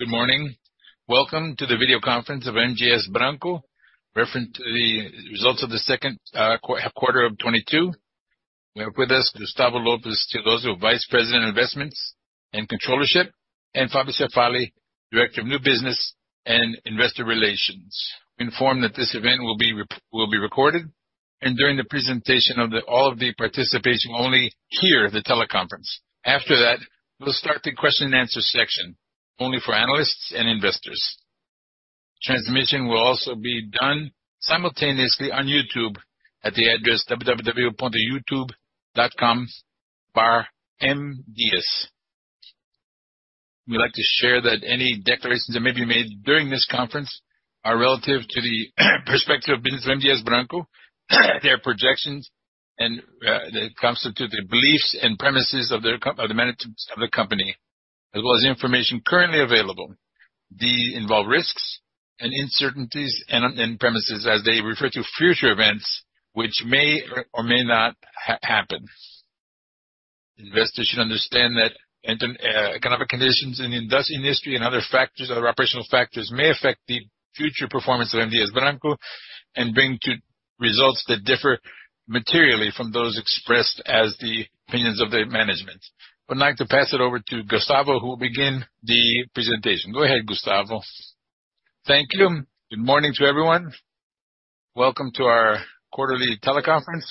Good morning. Welcome to the video conference of M. Dias Branco. Reference to the results of the second quarter of 2022. We have with us Gustavo Lopes Theodozio, Vice President of Investments and Controllership, and Fabio Cefaly, Director of New Business and Investor Relations. Be informed that this event will be recorded, and during the presentation all of the participation, you only hear the teleconference. After that, we'll start the question and answer section, only for analysts and investors. Transmission will also be done simultaneously on YouTube at the address www.youtube.com/rimdias. We like to share that any declarations that may be made during this conference are relative to the perspective of business for M. Dias Branco, their projections, and they constitute the beliefs and premises of the management of the company, as well as the information currently available. These involve risks and uncertainties and premises as they refer to future events which may or may not happen. Investors should understand that economic conditions in the industry and other factors, operational factors, may affect the future performance of M. Dias Branco and bring to results that differ materially from those expressed as the opinions of the management. I would like to pass it over to Gustavo, who will begin the presentation. Go ahead, Gustavo. Thank you. Good morning to everyone. Welcome to our quarterly teleconference.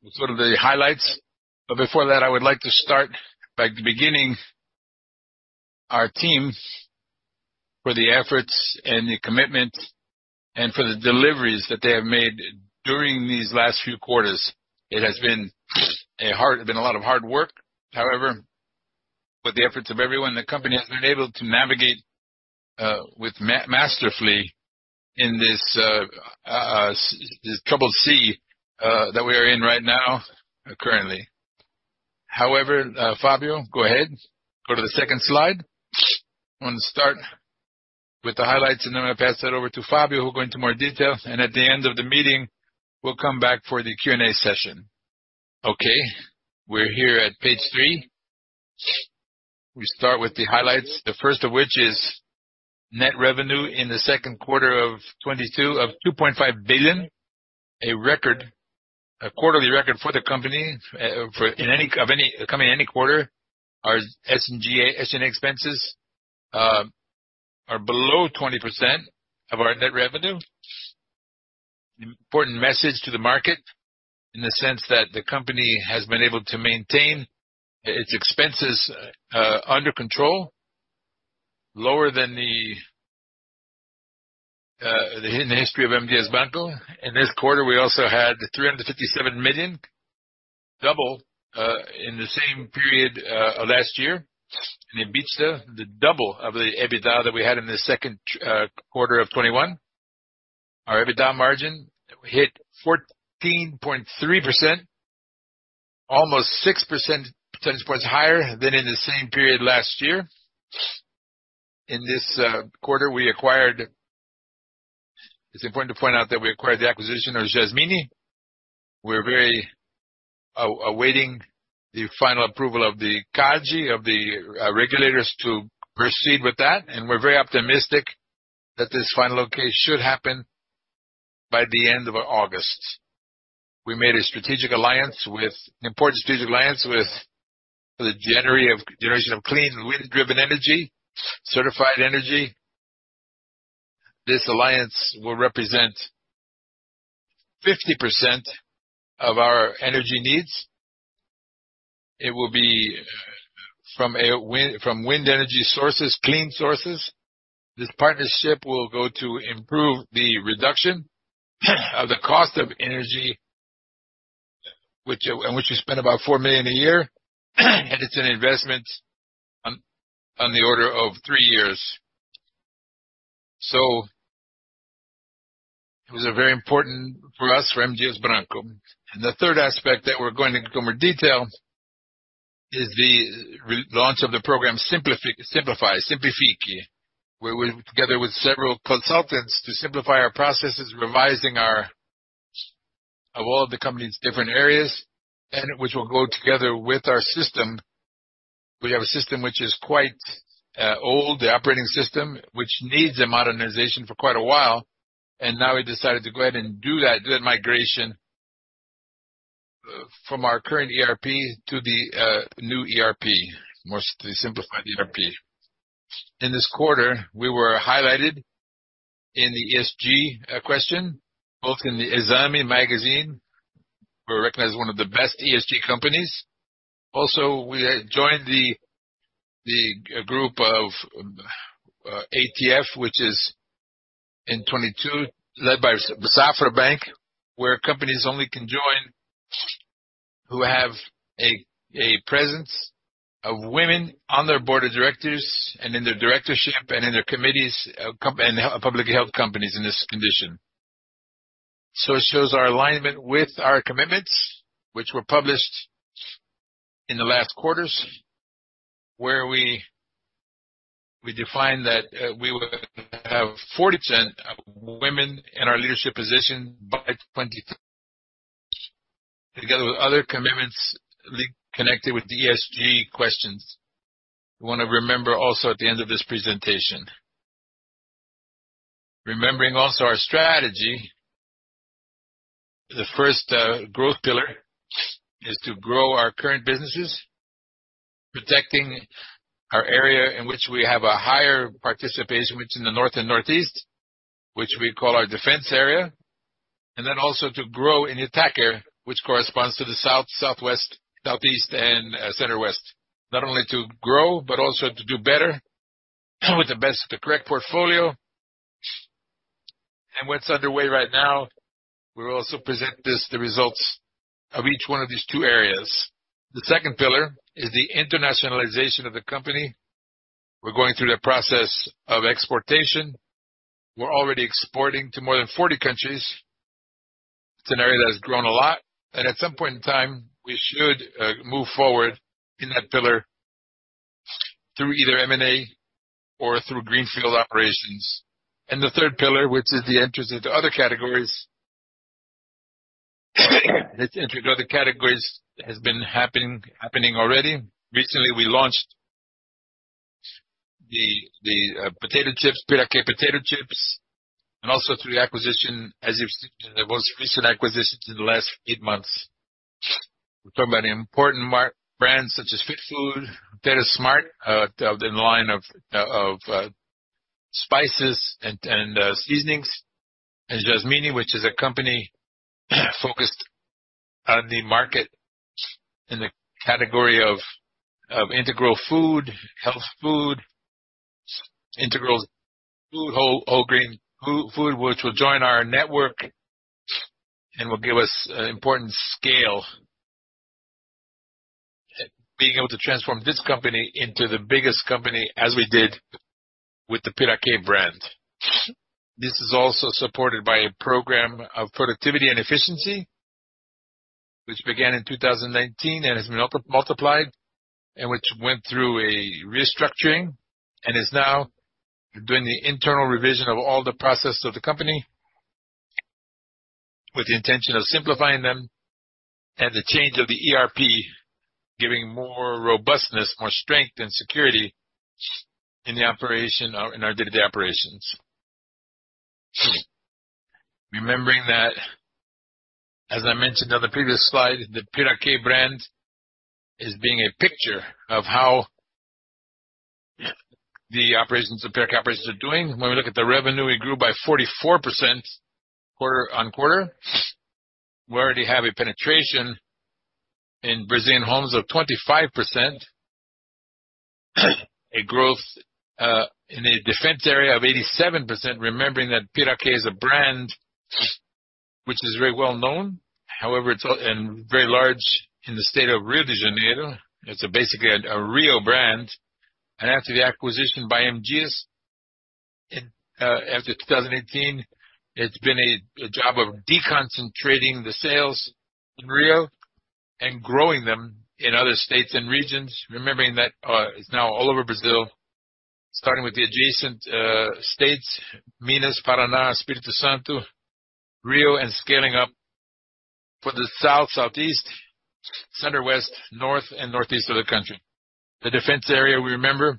We'll go to the highlights, but before that, I would like to start by thanking our team for the efforts and the commitment and for the deliveries that they have made during these last few quarters. It has been a lot of hard work. However, with the efforts of everyone, the company has been able to navigate masterfully in this troubled sea that we are in right now, currently. However, Fabio, go ahead, go to the second slide. I wanna start with the highlights, and then I'm gonna pass that over to Fabio, who will go into more detail. At the end of the meeting, we'll come back for the Q&A session. Okay, we're here at page three. We start with the highlights. The first of which is net revenue in the second quarter of 2022 of 2.5 billion. A record, a quarterly record for the company, for any quarter. Our SG&A expenses are below 20% of our net revenue. An important message to the market in the sense that the company has been able to maintain its expenses under control, lower than the history of M. Dias Branco. In this quarter, we also had 357 million, double in the same period of last year in EBITDA, the double of the EBITDA that we had in the second quarter of 2021. Our EBITDA margin hit 14.3%, almost six percentage points higher than in the same period last year. It's important to point out that we acquired the acquisition of Jasmine. We're very awaiting the final approval of the CADE, of the regulators to proceed with that, and we're very optimistic that this final okay should happen by the end of August. We made an important strategic alliance with the generation of clean, wind-driven energy, certified energy. This alliance will represent 50% of our energy needs. It will be from wind energy sources, clean sources. This partnership will go to improve the reduction of the cost of energy in which we spend about 4 million a year, and it's an investment on the order of three years. It was a very important for us, for M. Dias Branco. The third aspect that we're going to go more detail is the relaunch of the program Simplifique, where we'll together with several consultants to simplify our processes, revising of all the company's different areas, and which will go together with our system. We have a system which is quite old, the operating system, which needs a modernization for quite a while. Now we decided to go ahead and do that migration from our current ERP to the new ERP, the Simplifique ERP. In this quarter, we were highlighted in the ESG question, both in the Exame magazine. We're recognized as one of the best ESG companies. We had joined the group of ATF, which is in 2022 led by Banco Safra, where companies only can join who have a presence of women on their board of directors and in their directorship and in their committees, public health companies in this condition. It shows our alignment with our commitments, which were published in the last quarters, where we defined that we would have 40% of women in our leadership position by 2023. Together with other commitments connected with ESG questions. We wanna remember also at the end of this presentation. Remembering also our strategy, the first growth pillar is to grow our current businesses, protecting our area in which we have a higher participation, which in the north and northeast, which we call our defense area. To grow in the attack area, which corresponds to the south, southwest, southeast, and center west. Not only to grow, but also to do better with the correct portfolio. What's underway right now, we'll also present this, the results of each one of these two areas. The second pillar is the internationalization of the company. We're going through the process of exportation. We're already exporting to more than 40 countries. It's an area that has grown a lot, and at some point in time, we should move forward in that pillar through either M&A or through greenfield operations. The third pillar, which is the entrance into other categories, has been happening already. Recently, we launched the potato chips, Piraquê potato chips, and also through the acquisition, as you've seen, there was recent acquisitions in the last eight months. We're talking about important brands such as Fit Food, Frontera, Smart, the line of spices and seasonings, and Jasmine Alimentos, which is a company focused on the market in the category of integral food, health food, whole grain food which will join our network and will give us an important scale. Being able to transform this company into the biggest company as we did with the Piraquê brand. This is also supported by a program of productivity and efficiency, which began in 2019 and has multiplied and which went through a restructuring and is now doing the internal revision of all the processes of the company with the intention of simplifying them and the change of the ERP, giving more robustness, more strength, and security in our day-to-day operations. Remembering that, as I mentioned on the previous slide, the Piraquê brand is being a picture of how the operations of Piraquê are doing. When we look at the revenue, it grew by 44% quarter-on-quarter. We already have a penetration in Brazilian homes of 25%. A growth in a defense area of 87%, remembering that Piraquê is a brand which is very well known, however, it's also and very large in the state of Rio de Janeiro. It's basically a Rio brand. After the acquisition by M. Dias Branco in 2018, it's been a job of deconcentrating the sales in Rio and growing them in other states and regions. Remembering that, it's now all over Brazil, starting with the adjacent states, Minas, Paraná, Espírito Santo, Rio, and scaling up for the south, southeast, center west, north, and northeast of the country. The dense area, we remember,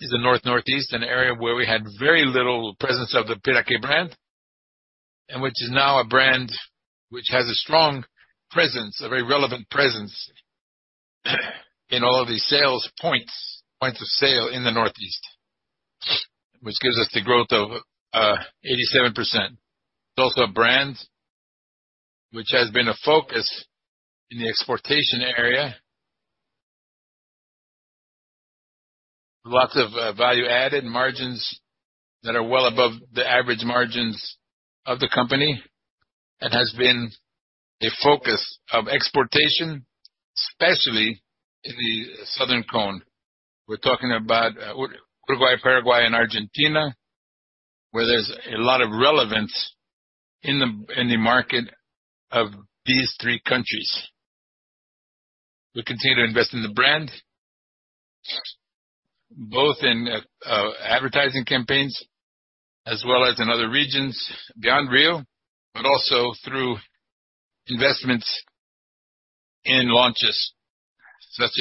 is the north, northeast, an area where we had very little presence of the Piraquê brand, and which is now a brand which has a strong presence, a very relevant presence in all of these sales points of sale in the northeast. Which gives us the growth of 87%. It's also a brand which has been a focus in the exportation area. Lots of value-added margins that are well above the average margins of the company. It has been a focus of exportation, especially in the Southern Cone. We're talking about Uruguay, Paraguay, and Argentina, where there's a lot of relevance in the market of these three countries. We continue to invest in the brand, both in advertising campaigns as well as in other regions beyond Rio, but also through investments in launches such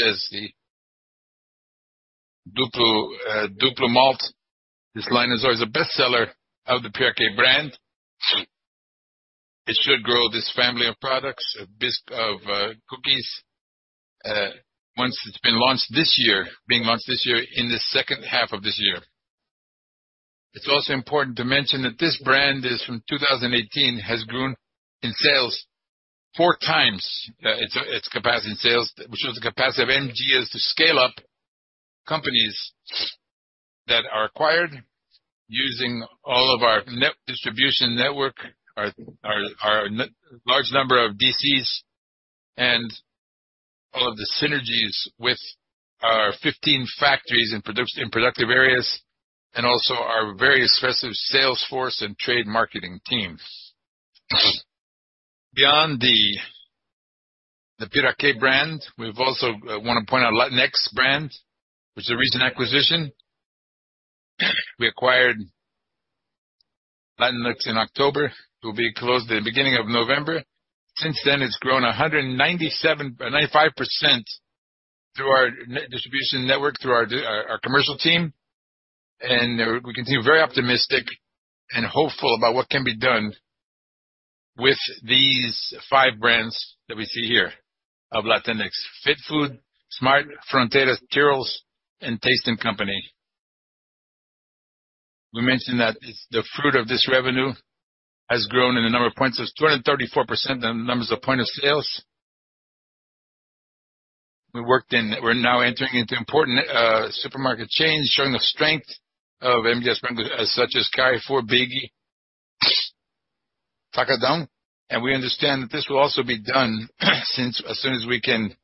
as the Duplo Malt. This line is always a bestseller of the Piraquê brand. It should grow this family of products, of cookies being launched this year in the second half of this year. It's also important to mention that this brand is from 2018, has grown in sales 4 times its capacity in sales, which shows the capacity of us to scale up companies that are acquired using all of our distribution network, our large number of DCs and all of the synergies with our 15 factories in productive areas, and also our very expressive sales force and trade marketing teams. Beyond the Piraquê brand, we've also want to point out Latinex brand, which is a recent acquisition. We acquired Latinex in October. It will be closed the beginning of November. Since then, it's grown 95% through our distribution network, through our commercial team. We continue very optimistic and hopeful about what can be done with these five brands that we see here of Latinex: Fit Food, Smart, Frontera, Tyrrells, and Taste&Co. We mentioned that its revenue has grown in the number of points of sale by 234%. We're now entering into important supermarket chains, showing the strength of M. Dias Branco, such as Carrefour, Grupo BIG, Atacadão. We understand that this will also be done as soon as we can,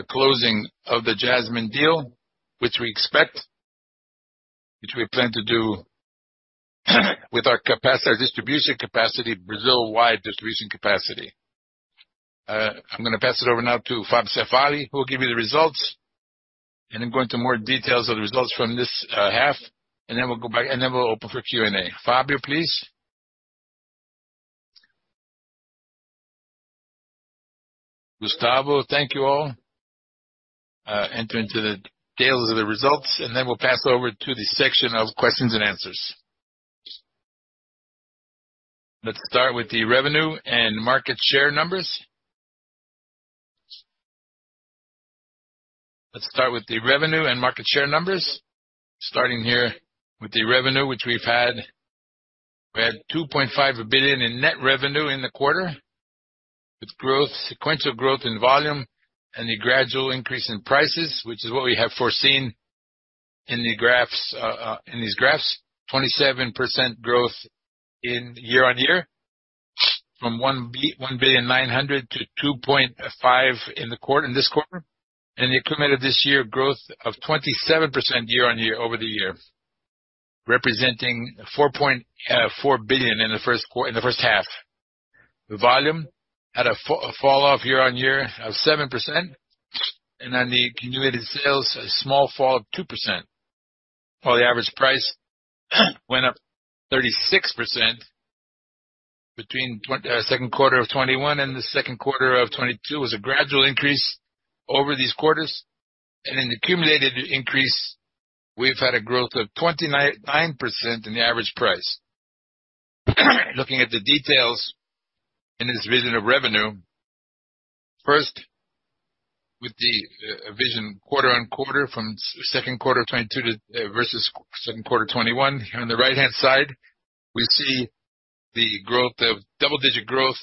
the closing of the Jasmine deal, which we expect, which we plan to do with our distribution capacity, Brazil-wide distribution capacity. I'm going to pass it over now to Fabio Cefaly, who will give you the results, and then go into more details of the results from this half, and then we'll go back, and then we'll open for Q&A. Fabio, please. Gustavo, thank you all. Enter into the details of the results, and then we'll pass over to the section of questions and answers. Let's start with the revenue and market share numbers. Starting here with the revenue, which we've had. We had 2.5 billion in net revenue in the quarter. With sequential growth in volume and a gradual increase in prices, which is what we have foreseen in these graphs. 27% growth year-on-year from 1.9 billion to 2.5 billion in this quarter. The accumulated this year growth of 27% year-on-year over the year, representing 4.4 billion in the first half. The volume had a fall off year-on-year of 7%, and then the cumulative sales, a small fall of 2%, while the average price went up 36% between second quarter of 2021 and the second quarter of 2022. It was a gradual increase over these quarters. In the cumulative increase, we've had a growth of 29% in the average price. Looking at the details in this vision of revenue, first, with the vision quarter-on-quarter from second quarter of 2022 versus second quarter 2021. Here on the right-hand side, we see double-digit growth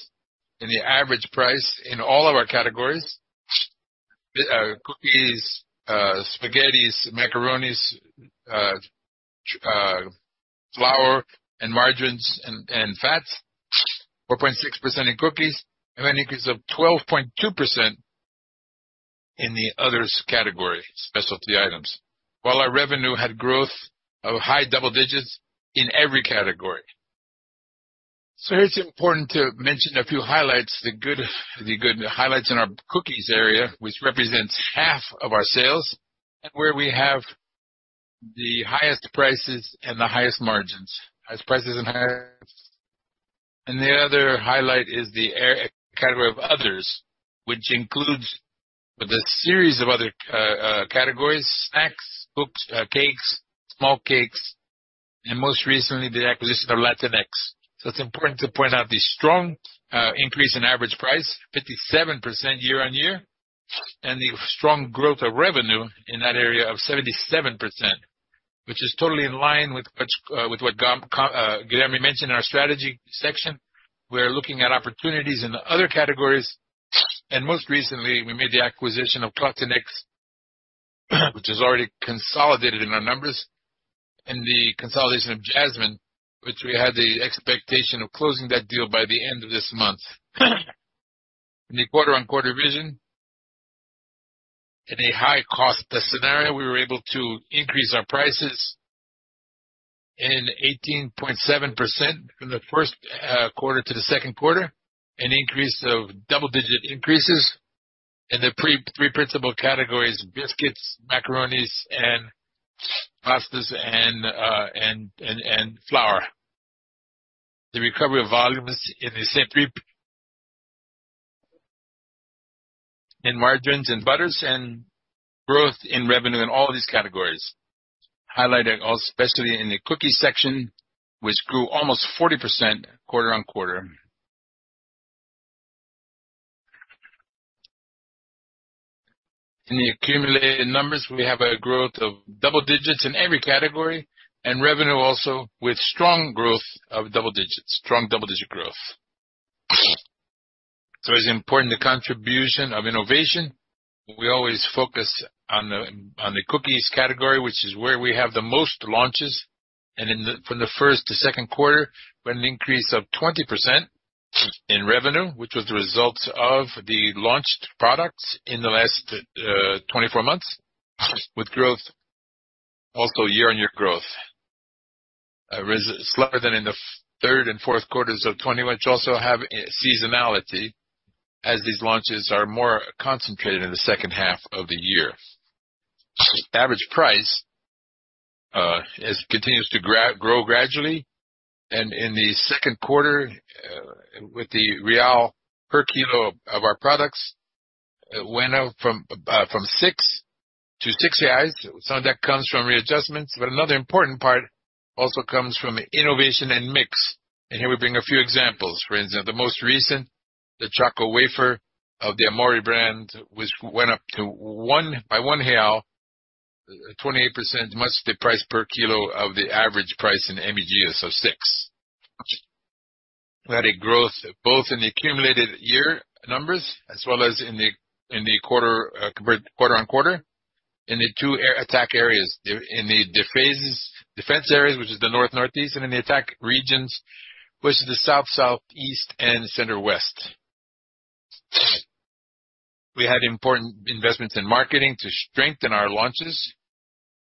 in the average price in all of our categories: cookies, spaghettis, macaronis, flour, and margarine and fats. 4.6% in cookies, and an increase of 12.2% in the others category, specialty items. While our revenue had growth of high double digits in every category. Here it's important to mention a few highlights, the good highlights in our cookies area, which represents half of our sales and where we have the highest prices and the highest margins. Highest prices and highest margins. The other highlight is the others category, which includes the series of other categories: snacks, cakes, small cakes, and most recently, the acquisition of Latinex. It's important to point out the strong increase in average price, 57% year-on-year, and the strong growth of revenue in that area of 77%, which is totally in line with what Gustavo mentioned in our strategy section. We are looking at opportunities in the other categories. Most recently, we made the acquisition of Latinex, which is already consolidated in our numbers. The consolidation of Jasmine, which we had the expectation of closing that deal by the end of this month. In the quarter-on-quarter vision, in a high-cost scenario, we were able to increase our prices in 18.7% from the first quarter to the second quarter, an increase of double-digit increases in our three principal categories, biscuits, macaroni, and pastas, and flour. The recovery of volumes in the same three... In margarines and butters and growth in revenue in all these categories. Highlighted all, especially in the cookies section, which grew almost 40% quarter-on-quarter. In the accumulated numbers, we have a growth of double digits in every category, and revenue also with strong double-digit growth. It's important the contribution of innovation. We always focus on the cookies category, which is where we have the most launches. From the first to second quarter, we had an increase of 20% in revenue, which was the result of the launched products in the last 24 months, with also year-on-year growth slower than in the third and fourth quarters of 2020, which also have seasonality as these launches are more concentrated in the second half of the year. Average price continues to grow gradually. In the second quarter, the BRL per kilo of our products went up from 6 to 6 reais. Some of that comes from readjustments, but another important part also comes from innovation and mix. Here we bring a few examples. For instance, the most recent, the Chocowafer of the Amori brand which went up by 1, 28% above the price per kilo of the average price in M. Dias Branco of 6. We had a growth both in the accumulated year numbers as well as in the quarter-on-quarter. In the two attack areas, in the defense areas, which is the North-Northeast and in the attack regions, which is the South-Southeast and Center-West. We had important investments in marketing to strengthen our launches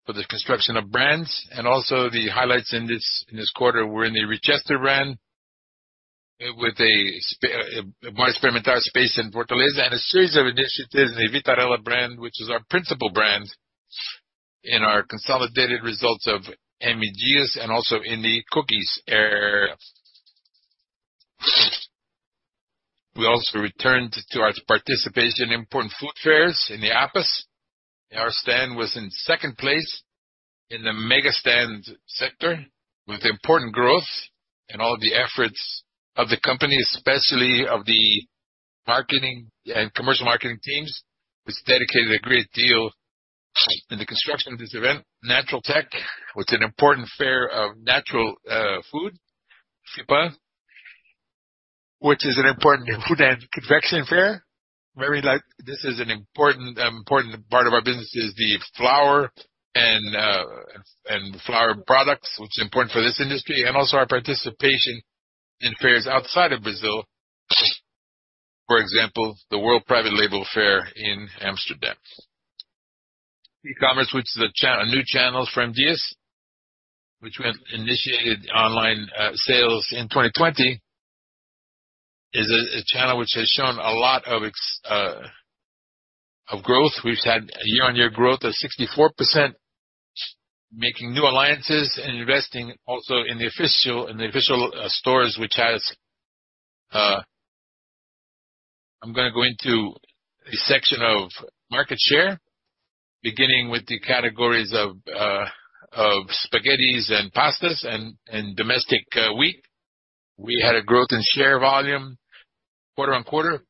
for the construction of brands. In The highlights in this quarter were in the Richester brand with a large experimental space in Fortaleza and a series of initiatives in the Vitarella brand, which is our principal brand in our consolidated results of MGS and also in the cookies area. We also returned to our participation in important food fairs in the APAS. Our stand was in second place in the mega stand sector with important growth and all of the efforts of the company, especially of the marketing and commercial marketing teams, which dedicated a great deal in the construction of this event. Naturaltech, which is an important fair of natural food. FIPAN, which is an important food and confection fair. This is an important part of our business is the flour and flour products, which is important for this industry and also our participation in fairs outside of Brazil. For example, the PLMA World of Private Label in Amsterdam. E-commerce, which is a new channel for M. Dias Branco, which we have initiated online sales in 2020, is a channel which has shown a lot of growth. We've had year-on-year growth of 64%, making new alliances and investing also in the official stores which has. I'm gonna go into a section of market share, beginning with the categories of spaghettis and pastas and domestic wheat. We had a growth in share volume quarter-on-quarter,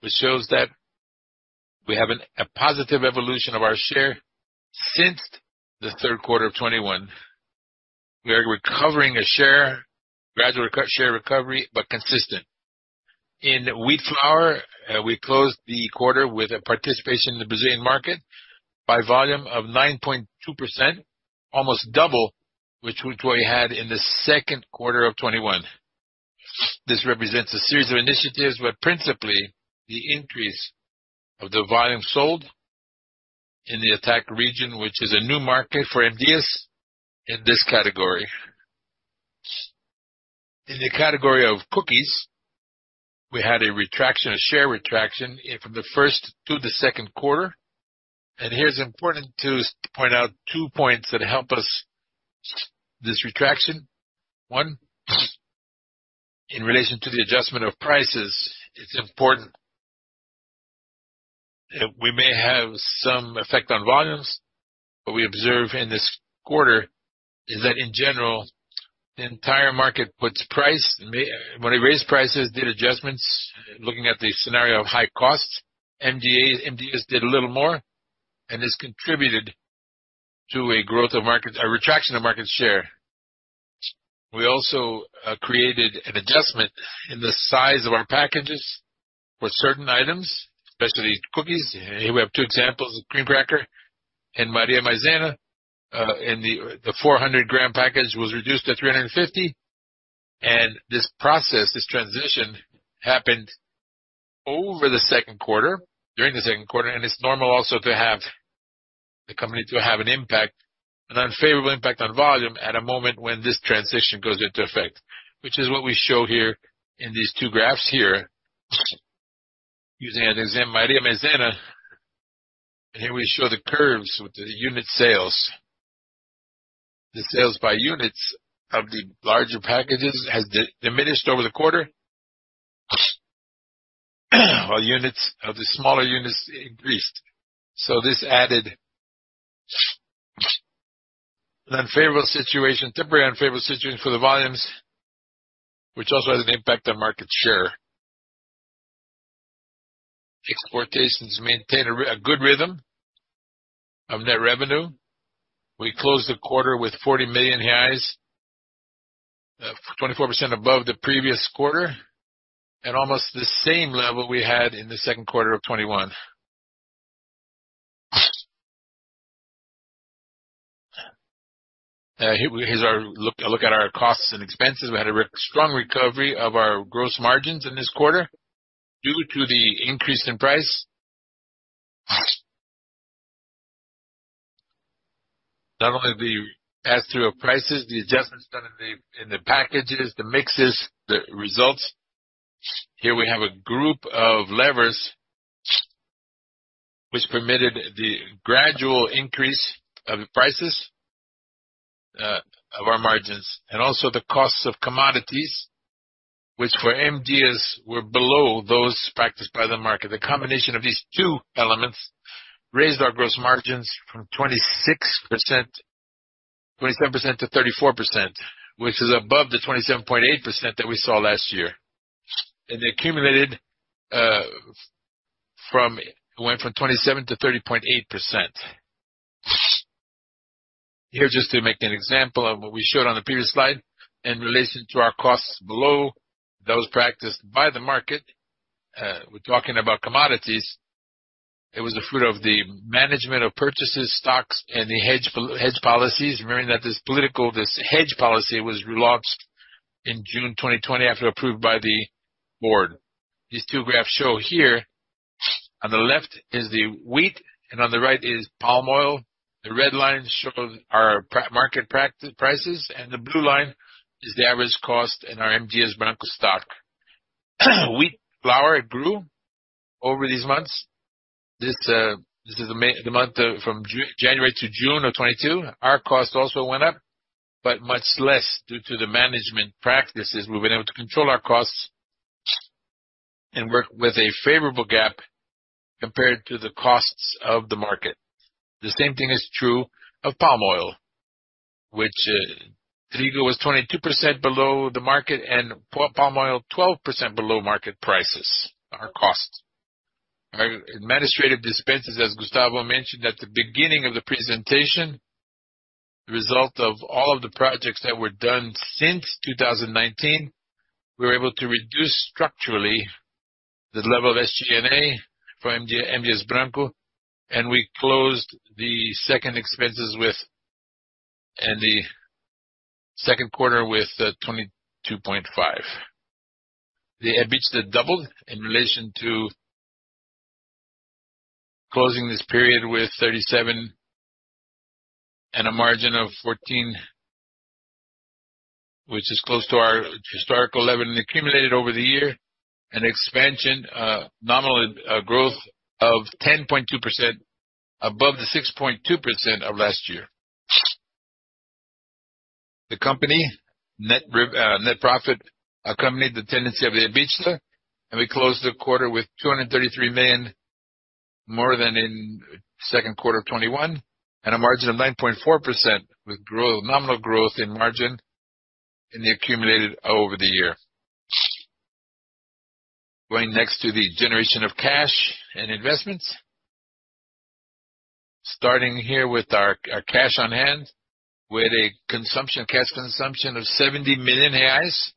which shows that we have a positive evolution of our share since the third quarter of 2021. We are recovering a share, gradual share recovery, but consistent. In wheat flour, we closed the quarter with a participation in the Brazilian market by volume of 9.2%, almost double what we had in the second quarter of 2021. This represents a series of initiatives where principally the increase of the volume sold in the Atacadão region, which is a new market for M. Dias Branco in this category. In the category of cookies, we had a retraction, a share retraction from the first to the second quarter. Here it's important to point out two points that help explain this retraction. One, in relation to the adjustment of prices, it's important that we may have some effect on volumes, but we observe in this quarter is that in general, the entire market raised prices. When it raised prices, did adjustments, looking at the scenario of high costs, MGS did a little more, and this contributed to a retraction of market share. We also created an adjustment in the size of our packages for certain items, especially cookies. Here we have two examples of Cream Cracker and Maria Maizena. In the 400-gram package was reduced to 350, and this process, this transition happened during the second quarter. It's normal also to have the company to have an impact, an unfavorable impact on volume at a moment when this transition goes into effect. Which is what we show here in these two graphs here using as an example Maria Maizena. Here we show the curves with the unit sales. The sales by units of the larger packages has diminished over the quarter, while units of the smaller units increased. This added an unfavorable situation, temporary unfavorable situation for the volumes, which also has an impact on market share. Exportations maintain a good rhythm of net revenue. We closed the quarter with 40 million reais, 24% above the previous quarter and almost the same level we had in the second quarter of 2021. Here's our look at our costs and expenses. We had a strong recovery of our gross margins in this quarter due to the increase in price. Not only the pass-through of prices, the adjustments done in the packages, the mixes, the results. Here we have a group of levers which permitted the gradual increase of prices, of our margins, and also the costs of commodities, which for M. Dias Branco were below those practiced by the market. The combination of these two elements raised our gross margins from 26%,27%-34%, which is above the 27.8% that we saw last year. It went from 27%-30.8%. Here, just to make an example of what we showed on the previous slide in relation to our costs below those practiced by the market, we're talking about commodities. It was the fruit of the management of purchases, stocks, and the hedge policies. Remembering that this policy, this hedge policy, was relaunched in June 2020 after approved by the board. These two graphs show, here on the left is the wheat and on the right is palm oil. The red line shows our pre-market prices, and the blue line is the average cost in our M. Dias Branco stock. Wheat flour grew over these months. This is the month from January to June of 2022. Our costs also went up, but much less due to the management practices. We've been able to control our costs and work with a favorable gap compared to the costs of the market. The same thing is true of palm oil, which trigo was 22% below the market and palm oil 12% below market prices, our costs. Our administrative expenses, as Gustavo mentioned at the beginning of the presentation, the result of all of the projects that were done since 2019, we were able to reduce structurally the level of SG&A for M. Dias Branco, and we closed the second quarter with 22.5%. The EBITDA doubled in relation to closing this period with 37% and a margin of 14%, which is close to our historical level, and accumulated over the year an expansion, nominal, growth of 10.2% above the 6.2% of last year. The company net profit accompanied the tendency of the EBITDA, and we closed the quarter with 233 million, more than in second quarter of 2021, and a margin of 9.4% with nominal growth in margin in the accumulated over the year. Going next to the generation of cash and investments. Starting here with our cash on hand, with a cash consumption of 70 million reais,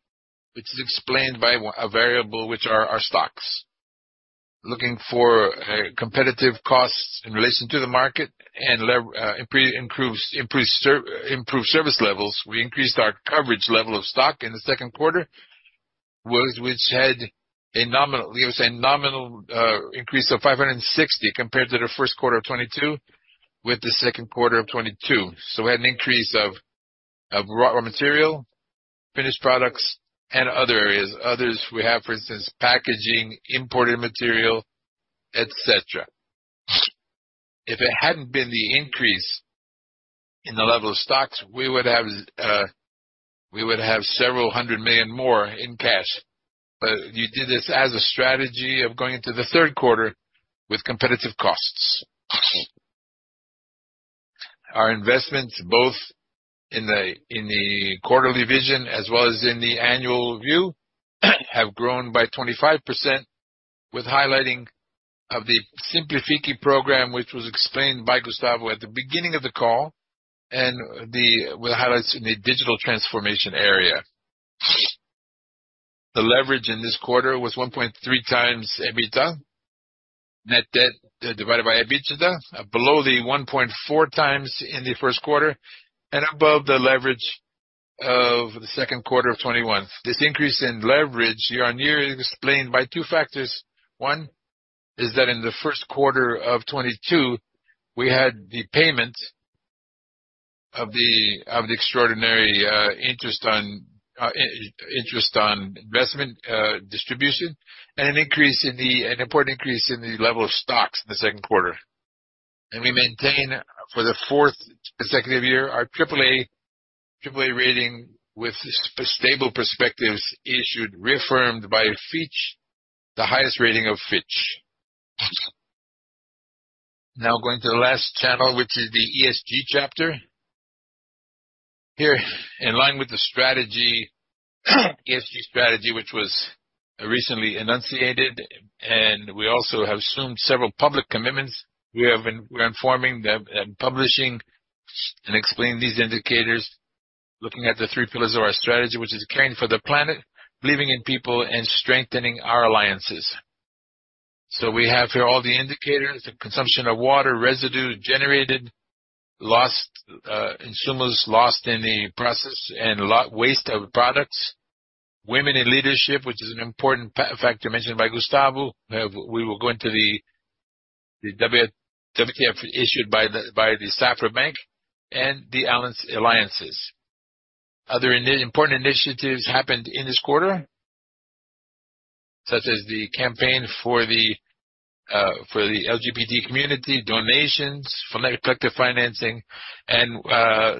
which is explained by a variable which are our stocks. Looking for competitive costs in relation to the market and improved service levels, we increased our coverage level of stock in the second quarter, which had a nominal increase of 560 compared to the first quarter of 2022 with the second quarter of 2022. We had an increase of raw material, finished products and other areas. Others we have, for instance, packaging, imported material, et cetera. If it hadn't been the increase in the level of stocks, we would have several hundred million more in cash. You did this as a strategy of going into the third quarter with competitive costs. Our investments both in the quarterly vision as well as in the annual view have grown by 25% with highlighting of the Simplifique program, which was explained by Gustavo at the beginning of the call, with the highlights in the digital transformation area. The leverage in this quarter was 1.3x EBITDA, net debt divided by EBITDA, below the 1.4x in the first quarter and above the leverage of the second quarter of 2021. This increase in leverage year-on-year is explained by two factors. One is that in the first quarter of 2022, we had the payment of the extraordinary interest on investment distribution and an important increase in the level of stocks in the second quarter. We maintain for the fourth consecutive year our AAA rating with stable perspectives, issued and reaffirmed by Fitch, the highest rating of Fitch. Now going to the last channel, which is the ESG chapter. Here, in line with the strategy, ESG strategy, which was recently enunciated, and we also have assumed several public commitments. We're informing by publishing and explaining these indicators, looking at the three pillars of our strategy, which is caring for the planet, believing in people, and strengthening our alliances. We have here all the indicators. The consumption of water, residue generated, lost, consumer loss in the process, and low-waste of products. Women in leadership, which is an important factor mentioned by Gustavo. We will go into the WCF issued by Banco Safra and the alliances. Other important initiatives happened in this quarter, such as the campaign for the LGBT community, donations from that collective financing, and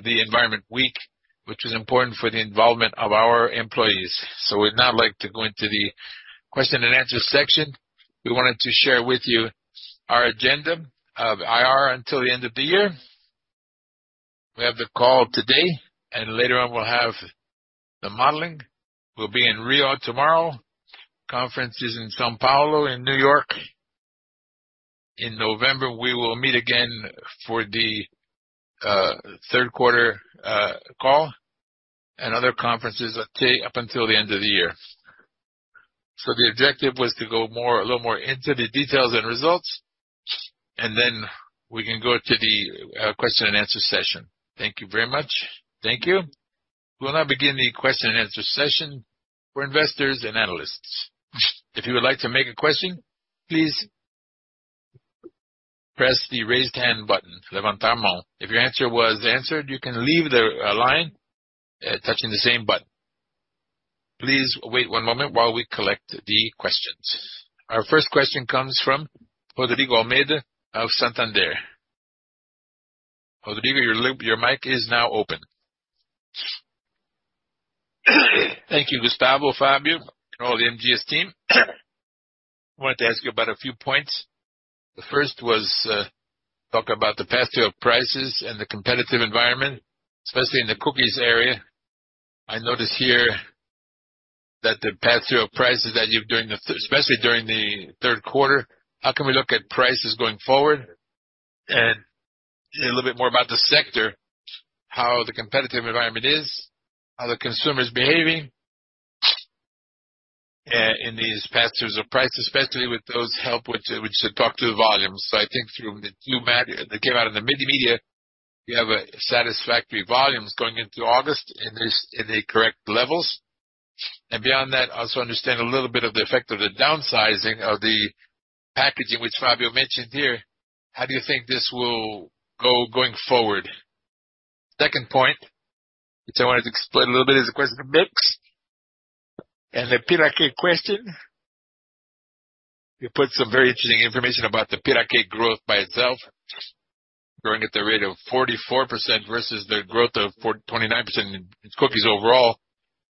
the environment week, which was important for the involvement of our employees. We'd now like to go into the question and answer section. We wanted to share with you our agenda of IR until the end of the year. We have the call today, and later on we'll have the modeling. We'll be in Rio tomorrow. Conference is in São Paulo and New York. In November, we will meet again for the third quarter call and other conferences that take up until the end of the year. The objective was to go more, a little more into the details and results, and then we can go to the question and answer session. Thank you very much. Thank you. We'll now begin the question and answer session for investors and analysts. If you would like to ask a question, please press the Raise Hand button. Levantar mão. If your question was answered, you can leave the line touching the same button. Please wait one moment while we collect the questions. Our first question comes from Rodrigo Almeida of Santander. Rodrigo, your mic is now open. Thank you, Gustavo, Fabio, and all the M. Dias Branco team. I wanted to ask you about a few points. The first was talk about the pass through of prices and the competitive environment, especially in the cookies area. I notice here that the pass through of prices that you had during the third quarter, how can we look at prices going forward? A little bit more about the sector, how the competitive environment is, how the consumer is behaving in these pass-throughs of prices, especially with those hikes which talk to the volumes. I think from the few that came out in the media, you have satisfactory volumes going into August in the correct levels. Beyond that, also understand a little bit of the effect of the downsizing of the packaging, which Fabio mentioned here. How do you think this will go going forward? Second point, which I wanted to explain a little bit, is the question of mix and the Piraquê question. You put some very interesting information about the Piraquê growth by itself, growing at the rate of 44% versus the growth of 49% in cookies overall.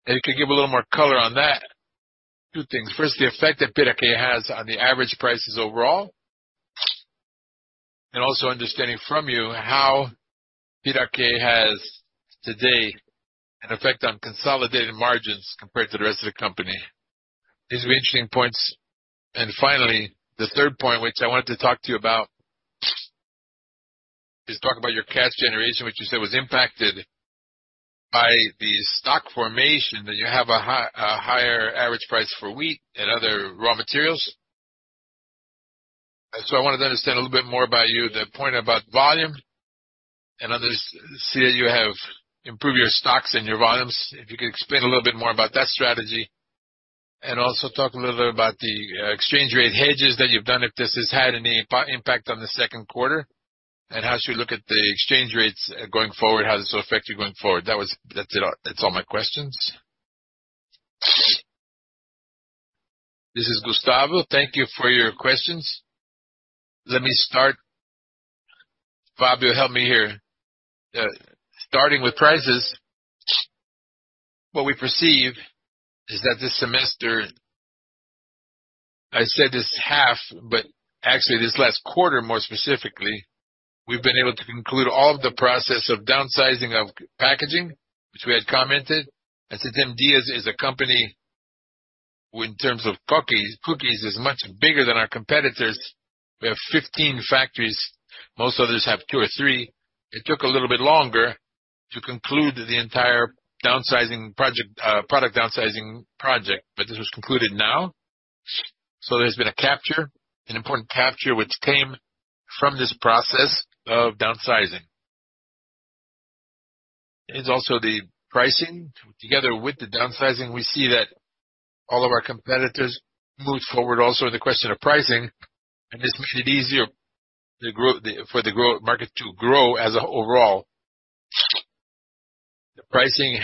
You could give a little more color on that. Two things. First, the effect that Piraquê has on the average prices overall, and also understanding from you how Piraquê has today an effect on consolidated margins compared to the rest of the company. These are interesting points. Finally, the third point, which I wanted to talk to you about, is to talk about your cash generation, which you said was impacted by the stock formation, that you have a higher average price for wheat and other raw materials. I wanted to understand a little bit more about your point about volume and others. I see that you have improved your stocks and your volumes. If you could explain a little bit more about that strategy. Also talk a little bit about the exchange rate hedges that you've done, if this has had any impact on the second quarter. How should we look at the exchange rates going forward? How does it affect you going forward? That's it. That's all my questions. This is Gustavo. Thank you for your questions. Let me start. Fabio, help me here. Starting with prices, what we perceive is that this semester, I said this half, but actually this last quarter, more specifically, we've been able to conclude all of the process of downsizing of packaging, which we had commented. I said M. Dias Branco is a company who in terms of cookies is much bigger than our competitors. We have 15 factories. Most others have 2 or 3. It took a little bit longer to conclude the entire downsizing project, product downsizing project. This was concluded now. There's been a capture, an important capture which came from this process of downsizing. It's also the pricing. Together with the downsizing, we see that all of our competitors moved forward also in the question of pricing, and this made it easier to grow the market to grow as a whole. The pricing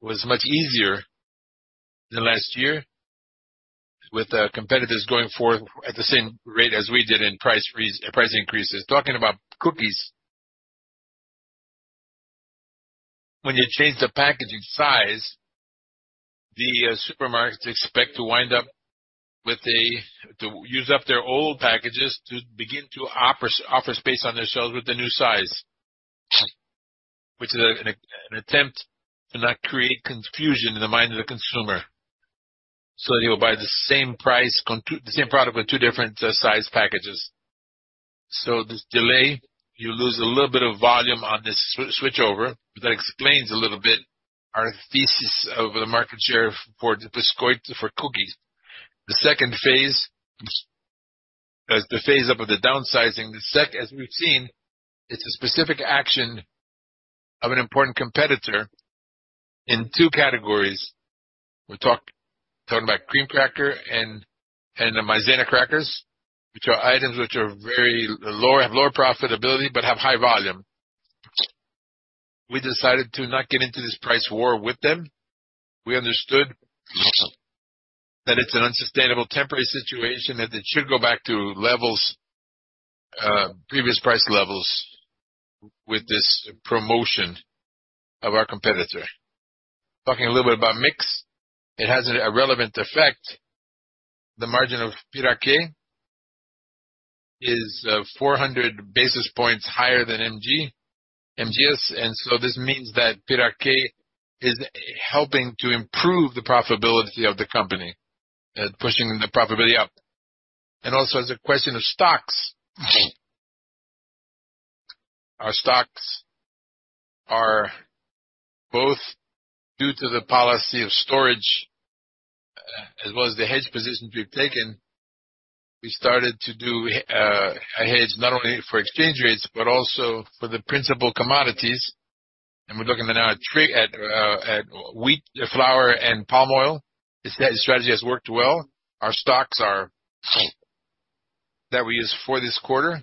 was much easier than last year with the competitors going forward at the same rate as we did in price increases. Talking about cookies, when you change the packaging size, the supermarkets expect to wind up with a to use up their old packages to begin to offer space on their shelves with the new size, which is an attempt to not create confusion in the mind of the consumer, so they will buy the same price the same product with two different size packages. This delay, you lose a little bit of volume on this switch over. That explains a little bit our thesis of the market share for the biscuit, for cookies. The second phase is, as the phase-out of the downsizing, as we've seen, it's a specific action of an important competitor in two categories. We're talking about Cream Cracker and the Maizena crackers, which are items which have lower profitability but have high volume. We decided to not get into this price war with them. We understood that it's an unsustainable temporary situation, that it should go back to levels, previous price levels with this promotion of our competitor. Talking a little bit about mix, it has a relevant effect. The margin of Piraquê is 400 basis points higher than the group's. This means that Piraquê is helping to improve the profitability of the company and pushing the profitability up. As a question of stocks. Our stocks are high due to the policy of storage as well as the hedge positions we've taken. We started to do a hedge not only for exchange rates but also for the principal commodities. We're looking at wheat, flour and palm oil. The strategy has worked well. Our stocks that we used for this quarter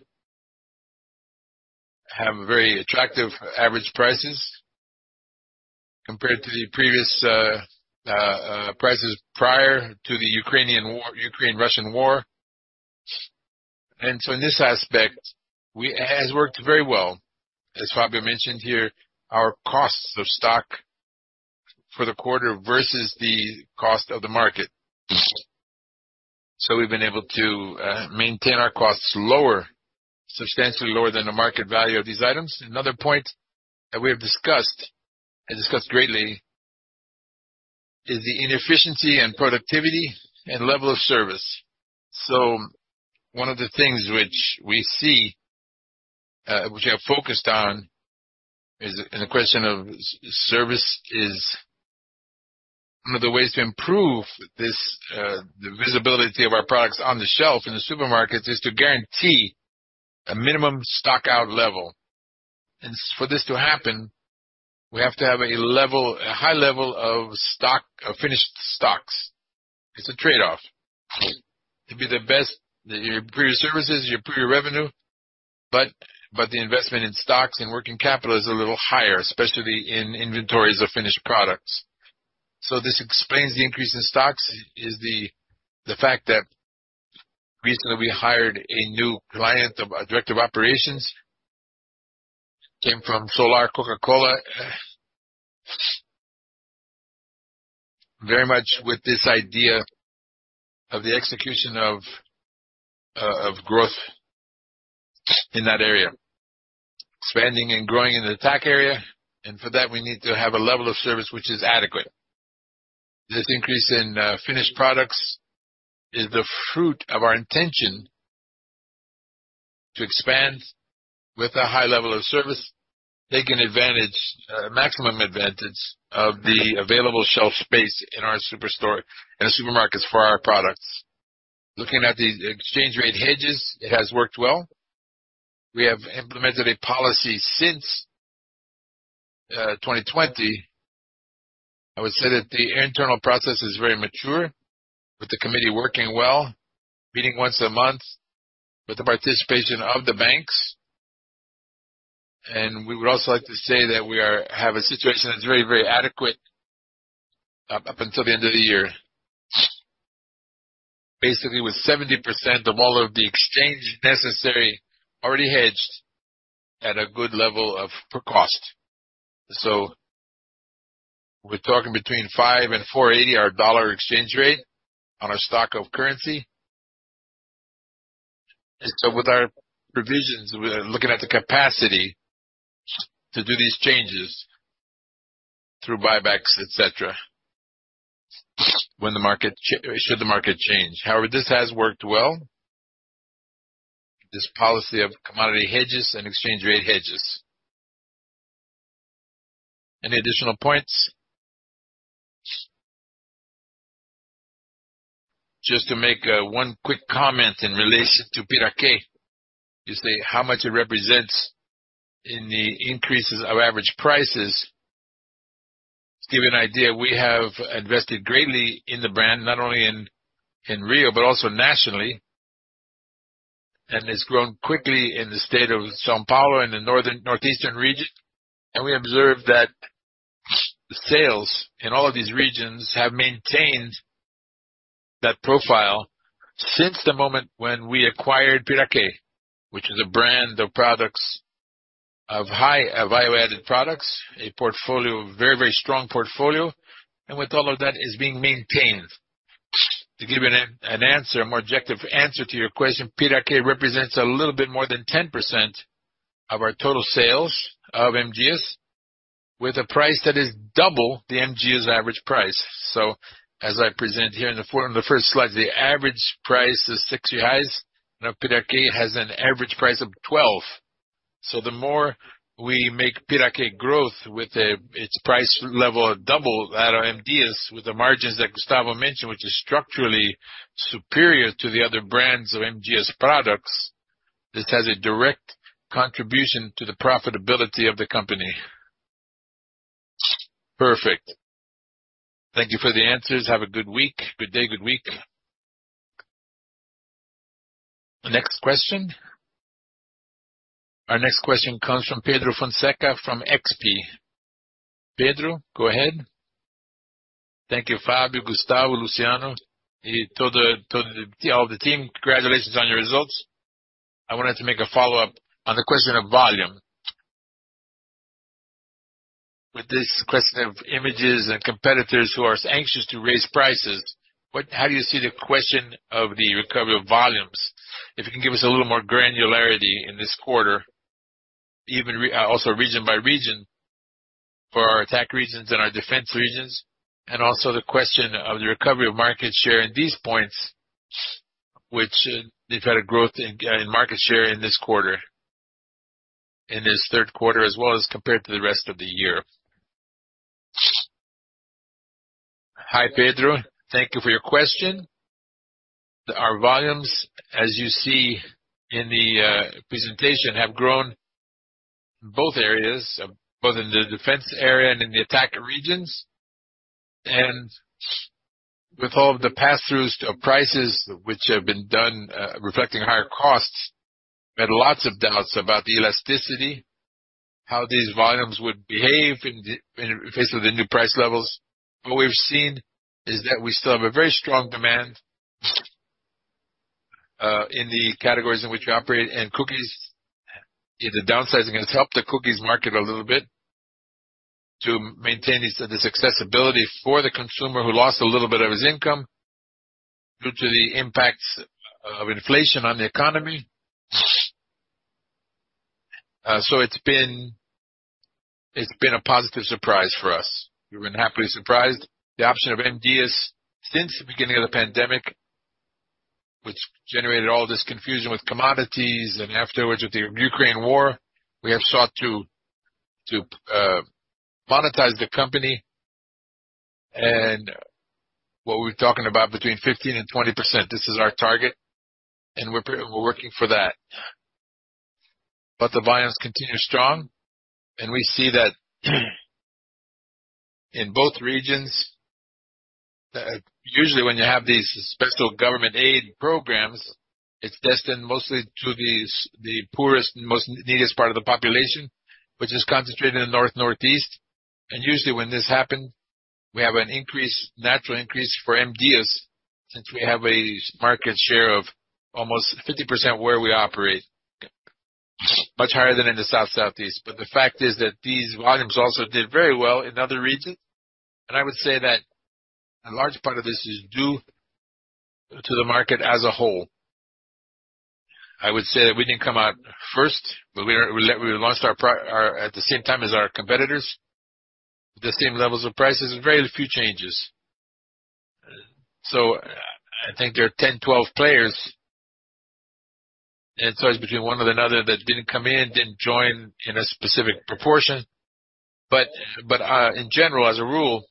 have very attractive average prices compared to the previous prices prior to the Ukraine-Russian war. In this aspect, it has worked very well. As Fabio mentioned here, our costs of stock for the quarter versus the cost of the market. We've been able to maintain our costs lower, substantially lower than the market value of these items. Another point that we have discussed greatly is the inefficiency and productivity and level of service. One of the things which we see, which I have focused on is, and the question of service is one of the ways to improve this, the visibility of our products on the shelf in the supermarkets is to guarantee a minimum stock out level. For this to happen, we have to have a level, a high level of stock, of finished stocks. It's a trade-off. To be the best, you improve your services, you improve your revenue. But the investment in stocks and working capital is a little higher, especially in inventories of finished products. This explains the increase in stocks is the fact that recently we hired a new director of operations, came from Solar Coca-Cola. Very much with this idea of the execution of growth in that area. Expanding and growing in the atacarejo. For that we need to have a level of service which is adequate. This increase in finished products is the fruit of our intention to expand with a high level of service, taking maximum advantage of the available shelf space in the supermarkets for our products. Looking at the exchange rate hedges, it has worked well. We have implemented a policy since 2020. I would say that the internal process is very mature, with the committee working well, meeting once a month with the participation of the banks. We would also like to say that we have a situation that's very, very adequate up until the end of the year. Basically, with 70% of all of the exchange necessary already hedged at a good level of per cost. We're talking between 5 and 4.80, our dollar exchange rate on our stock of currency. With our provisions, we are looking at the capacity to do these changes through buybacks, et cetera, when the market changes, should the market change. However, this has worked well, this policy of commodity hedges and exchange rate hedges. Any additional points? Just to make one quick comment in relation to Piraquê, it's how much it represents in the increases of average prices. To give you an idea, we have invested greatly in the brand, not only in Rio, but also nationally. It's grown quickly in the state of São Paulo, in the northeastern region. We observed that sales in all of these regions have maintained that profile since the moment when we acquired Piraquê, which is a brand of products, of high value-added products, a portfolio, very, very strong portfolio, and with all of that is being maintained. To give you an answer, a more objective answer to your question, Piraquê represents a little bit more than 10% of our total sales of MGS with a price that is double the MGS average price. As I present here in the first slide, the average price is 6 reais, and our Piraquê has an average price of 12. The more we make Piraquê grow, with its price level double that of M. Dias Branco, with the margins that Gustavo mentioned, which is structurally superior to the other brands of M. Dias Branco products, this has a direct contribution to the profitability of the company. Perfect. Thank you for the answers. Have a good week. Good day, good week. The next question. Our next question comes from Pedro Fonseca from XP. Pedro, go ahead. Thank you, Fabio, Gustavo, Luciano, and to all the team. Congratulations on your results. I wanted to make a follow-up on the question of volume. With this question of margins and competitors who are anxious to raise prices, how do you see the question of the recovery of volumes? If you can give us a little more granularity in this quarter, also region by region for our attack regions and our defense regions, and also the question of the recovery of market share in these points which they've had a growth in market share in this quarter, in this third quarter, as well as compared to the rest of the year. Hi, Pedro. Thank you for your question. Our volumes, as you see in the presentation, have grown in both areas, both in the defense area and in the attack regions. With all of the pass-throughs of prices which have been done, reflecting higher costs, we had lots of doubts about the elasticity, how these volumes would behave in the face of the new price levels. What we've seen is that we still have a very strong demand in the categories in which we operate. Cookies, the downsizing has helped the cookies market a little bit to maintain this accessibility for the consumer who lost a little bit of his income due to the impacts of inflation on the economy. So it's been a positive surprise for us. We've been happily surprised. The option of M. Dias Branco since the beginning of the pandemic, which generated all this confusion with commodities and afterwards with the Ukraine war, we have sought to monetize the company. What we're talking about between 15% and 20%, this is our target, and we're working for that. The volumes continue strong, and we see that in both regions. Usually, when you have these special government aid programs, it's destined mostly to these, the poorest and most neediest part of the population, which is concentrated in the North, Northeast. Usually when this happened, we have an increase, natural increase for MDS, since we have a market share of almost 50% where we operate, much higher than in the South, Southeast. The fact is that these volumes also did very well in other regions. I would say that a large part of this is due to the market as a whole. I would say that we didn't come out first, but we launched our prices at the same time as our competitors, the same levels of prices and very few changes. I think there are 10, 12 players, and they start between one another that didn't come in, didn't join in a specific proportion. In general, as a rule,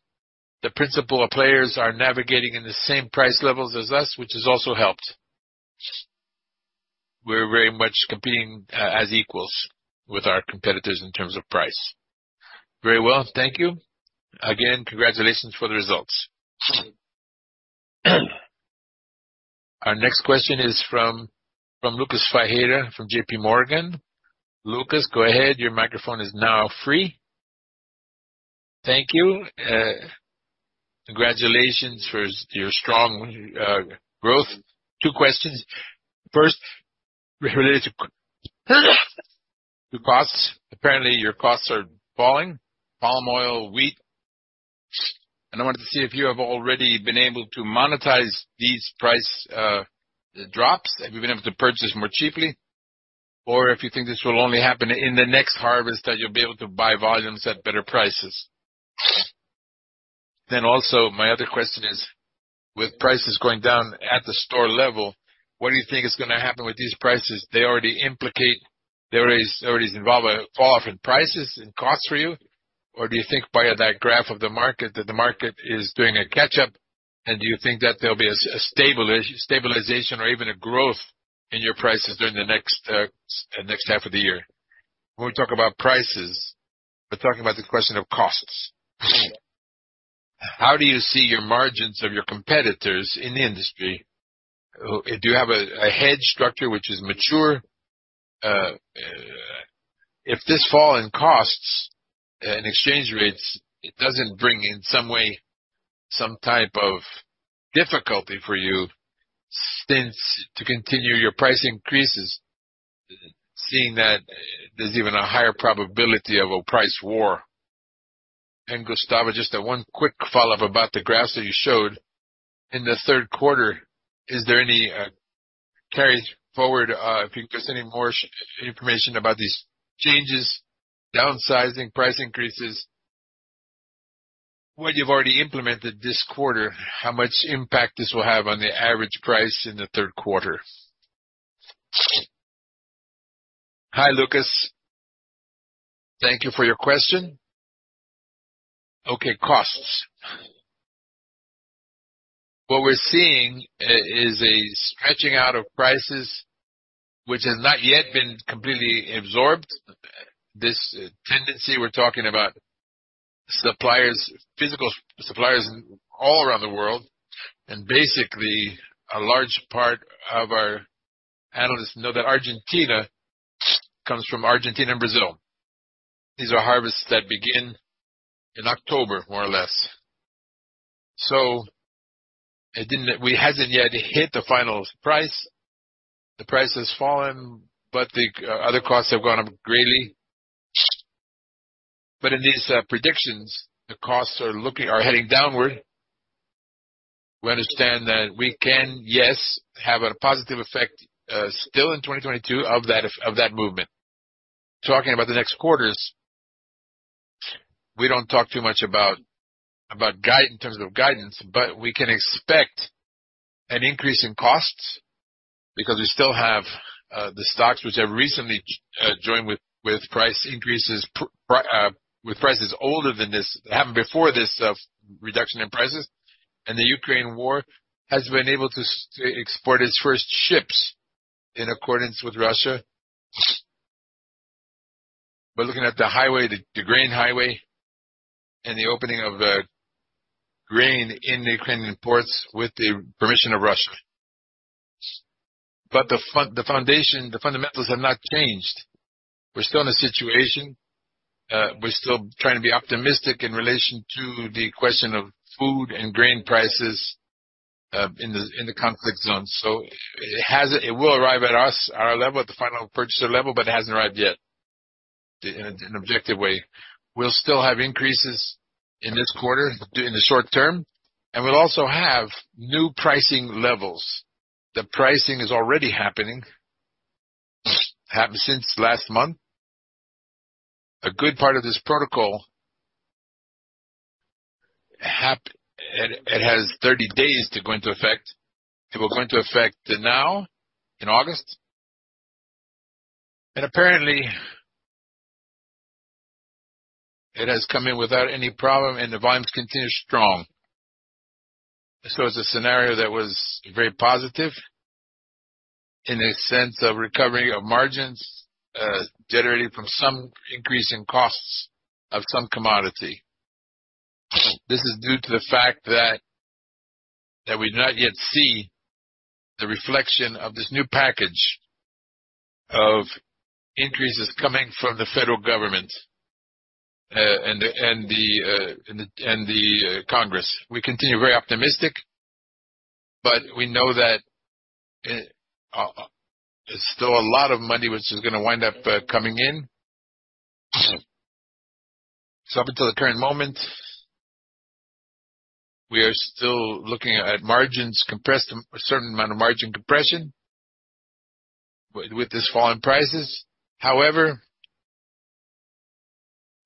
the principal players are navigating in the same price levels as us, which has also helped. We're very much competing as equals with our competitors in terms of price. Very well. Thank you. Again, congratulations for the results. Our next question is from Lucas Ferreira from JPMorgan. Lucas, go ahead. Your microphone is now free. Thank you. Congratulations for your strong growth. Two questions. First, related to the costs. Apparently, your costs are falling, palm oil, wheat. I wanted to see if you have already been able to monetize these price drops. Have you been able to purchase more cheaply, or if you think this will only happen in the next harvest, that you'll be able to buy volumes at better prices? My other question is, with prices going down at the store level, what do you think is gonna happen with these prices? They already imply a fall off in prices and costs for you. Or do you think by that graph of the market, that the market is doing a catch-up, and do you think that there'll be a stabilization or even a growth in your prices during the next half of the year? When we talk about prices, we're talking about the question of costs. How do you see your margins of your competitors in the industry? Do you have a hedge structure which is mature? If this fall in costs and exchange rates, it doesn't bring in some way some type of difficulty for you since to continue your price increases, seeing that there's even a higher probability of a price war. Gustavo, just one quick follow-up about the graphs that you showed. In the third quarter, is there any carry forward, if you can give us any more information about these changes, downsizing, price increases? What you've already implemented this quarter, how much impact this will have on the average price in the third quarter? Hi, Lucas. Thank you for your question. Okay. Costs. What we're seeing is a stretching out of prices which has not yet been completely absorbed. This tendency we're talking about suppliers, physical suppliers all around the world, and basically a large part of our analysts know that wheat comes from Argentina and Brazil. These are harvests that begin in October, more or less. We haven't yet hit the final price. The price has fallen, but the other costs have gone up greatly. In these predictions, the costs are heading downward. We understand that we can, yes, have a positive effect still in 2022 of that movement. Talking about the next quarters, we don't talk too much about guidance, but we can expect an increase in costs because we still have the stocks which have recently joined with price increases prior with prices higher than this that happened before this reduction in prices. The Ukraine war has been able to export its first ships in accordance with Russia. We're looking at the highway, the grain highway and the opening of grain in the Ukrainian ports with the permission of Russia. The fundamentals have not changed. We're still in a situation. We're still trying to be optimistic in relation to the question of food and grain prices in the conflict zone. It will arrive at us, our level, at the final purchaser level, but it hasn't arrived yet in an objective way. We'll still have increases in this quarter, in the short term, and we'll also have new pricing levels. The pricing is already happening. Happened since last month. A good part of this protocol. It has 30 days to go into effect. It will go into effect now in August, and apparently it has come in without any problem and the volumes continue strong. It's a scenario that was very positive in a sense of recovering of margins, generated from some increase in costs of some commodity. This is due to the fact that we do not yet see the reflection of this new package of increases coming from the federal government and the Congress. We continue very optimistic, but we know that there's still a lot of money which is gonna wind up coming in. Up until the current moment, we are still looking at margins compressed, a certain amount of margin compression with this fall in prices. However,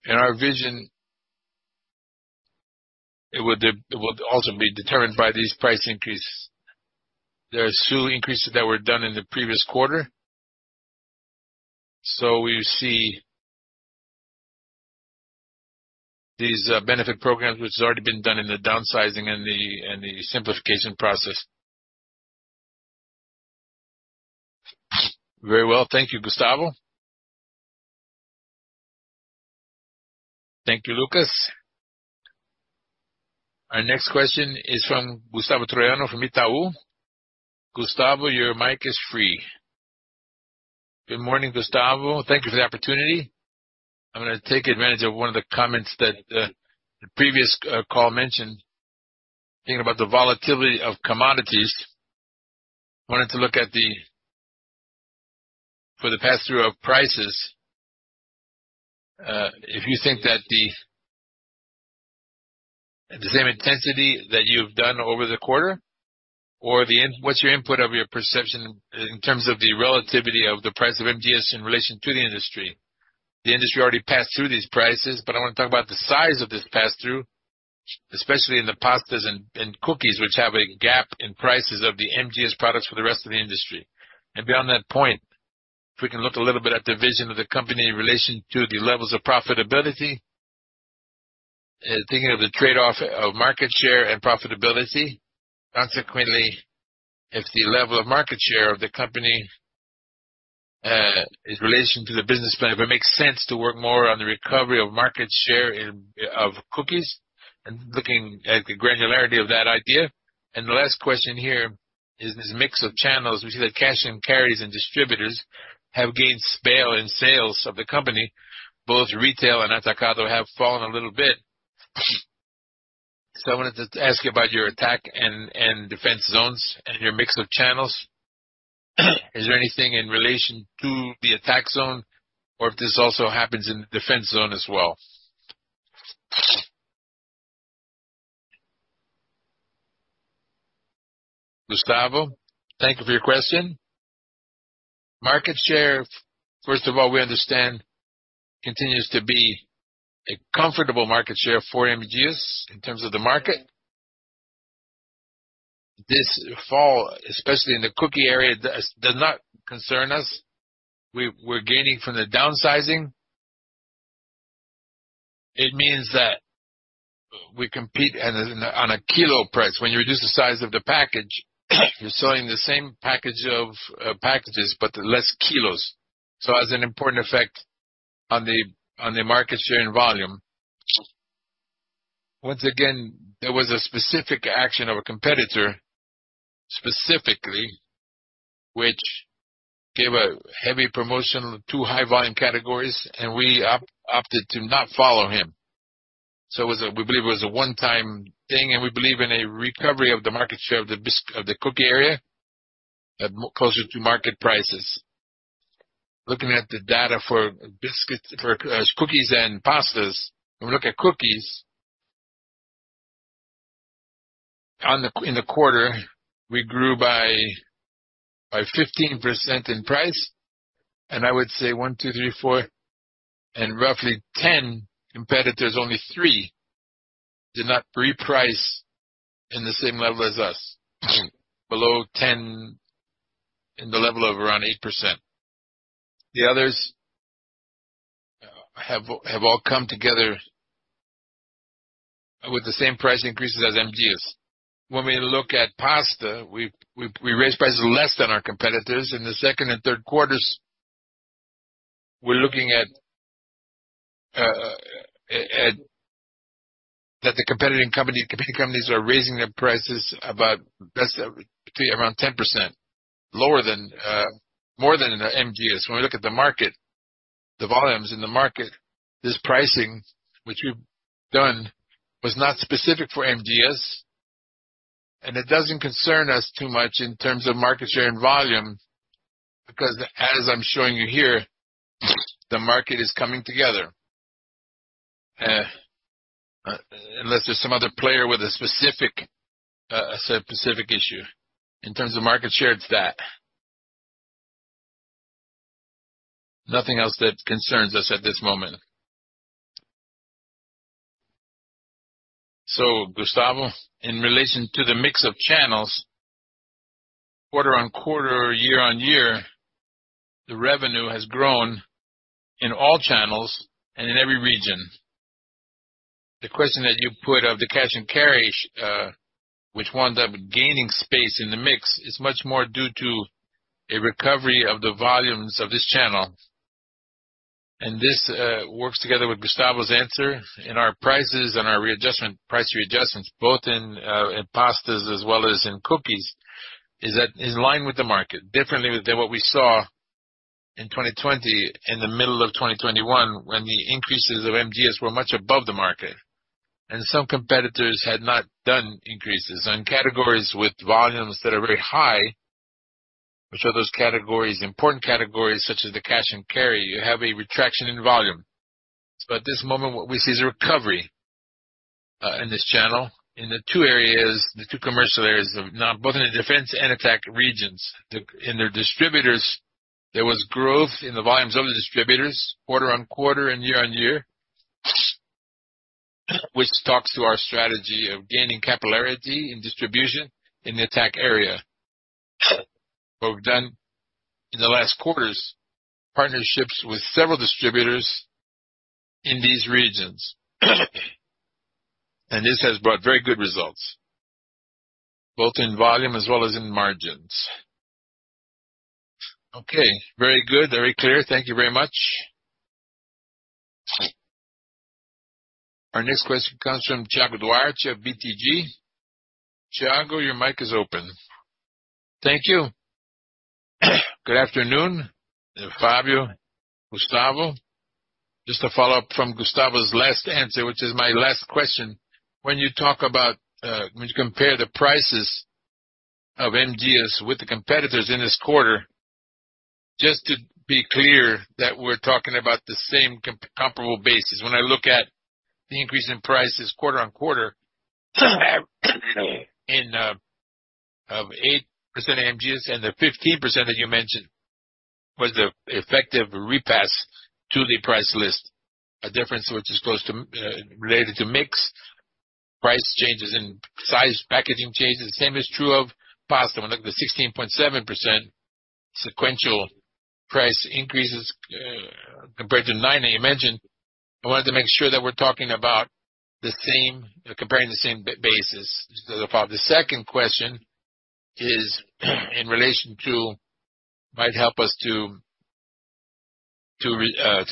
in our vision, it will also be determined by these price increases. There are still increases that were done in the previous quarter. We see these benefit programs, which has already been done in the downsizing and the simplification process. Very well. Thank you, Gustavo. Thank you, Lucas. Our next question is from Gustavo Troyano from Itaú. Gustavo, your mic is free. Good morning, Gustavo. Thank you for the opportunity. I'm gonna take advantage of one of the comments that the previous call mentioned, thinking about the volatility of commodities. Wanted to look at the pass-through of prices, if you think that the same intensity that you've done over the quarter or what's your input of your perception in terms of the relativity of the price of MGS in relation to the industry. The industry already passed through these prices, but I wanna talk about the size of this pass-through, especially in the pastas and cookies, which have a gap in prices of the M. Dias products for the rest of the industry. Beyond that point, if we can look a little bit at the vision of the company in relation to the levels of profitability, thinking of the trade-off of market share and profitability. Consequently, if the level of market share of the company, in relation to the business plan, if it makes sense to work more on the recovery of market share in cookies and looking at the granularity of that idea. The last question here is this mix of channels. We see that cash and carries and distributors have gained share in sales of the company. Both retail and atacado have fallen a little bit. I wanted to ask you about your attack and defense zones and your mix of channels. Is there anything in relation to the attack zone or if this also happens in the defense zone as well? Gustavo, thank you for your question. Market share, first of all, we understand continues to be a comfortable market share for M. Dias Branco in terms of the market. This fall, especially in the cookie area, does not concern us. We're gaining from the downsizing. It means that we compete on a kilo price. When you reduce the size of the package, you're selling the same package of packages, but less kilos. As an important effect on the market share and volume. Once again, there was a specific action of a competitor, specifically, which gave a heavy promotion on two high volume categories, and we opted to not follow him. It was a one-time thing, and we believe in a recovery of the market share of the cookie area at much closer to market prices. Looking at the data for cookies and pastas. When we look at cookies in the quarter, we grew by 15% in price. I would say one, two, three, four and roughly 10 competitors, only 3 did not reprice in the same level as us. Below 10 in the level of around 8%. The others have all come together with the same price increases as M. Dias Branco. When we look at pasta, we raised prices less than our competitors. In the second and third quarters, we're looking at the competitive companies are raising their prices by about 10% more than us. When we look at the market, the volumes in the market, this pricing, which we've done, was not specific for us, and it doesn't concern us too much in terms of market share and volume because as I'm showing you here, the market is coming together. Unless there's some other player with a specific issue. In terms of market share, it's that. Nothing else that concerns us at this moment. Gustavo, in relation to the mix of channels, quarter-on-quarter, year-on-year, the revenue has grown in all channels and in every region. The question that you put of the cash and carry, which wound up gaining space in the mix, is much more due to a recovery of the volumes of this channel. This works together with Gustavo's answer. In our prices and our price readjustments, both in pastas as well as in cookies, is in line with the market differently than what we saw in 2020, in the middle of 2021, when the increases of MGS were much above the market and some competitors had not done increases. On categories with volumes that are very high, which are those categories, important categories such as the cash and carry, you have a retraction in volume. At this moment, what we see is a recovery in this channel. In the two areas, the two commercial areas of both in the defense and attack regions. In their distributors, there was growth in the volumes of the distributors quarter-on-quarter and year-on-year. Which talks to our strategy of gaining capillarity in distribution in the attack area. What we've done in the last quarters, partnerships with several distributors in these regions. This has brought very good results, both in volume as well as in margins. Okay, very good. Very clear. Thank you very much. Our next question comes from Thiago Duarte of BTG. Thiago, your mic is open. Thank you. Good afternoon, Fabio, Gustavo. Just to follow up from Gustavo's last answer, which is my last question. When you compare the prices of MGS with the competitors in this quarter, just to be clear that we're talking about the same comparable basis. When I look at the increase in prices quarter-on-quarter of 8% MGS and the 15% that you mentioned, was the effective repass to the price list a difference which is close to related to mix, price changes and size packaging changes. The same is true of pasta. When I look at the 16.7% sequential price increases compared to 9% that you mentioned, I wanted to make sure that we're talking about the same basis. The second question might help us to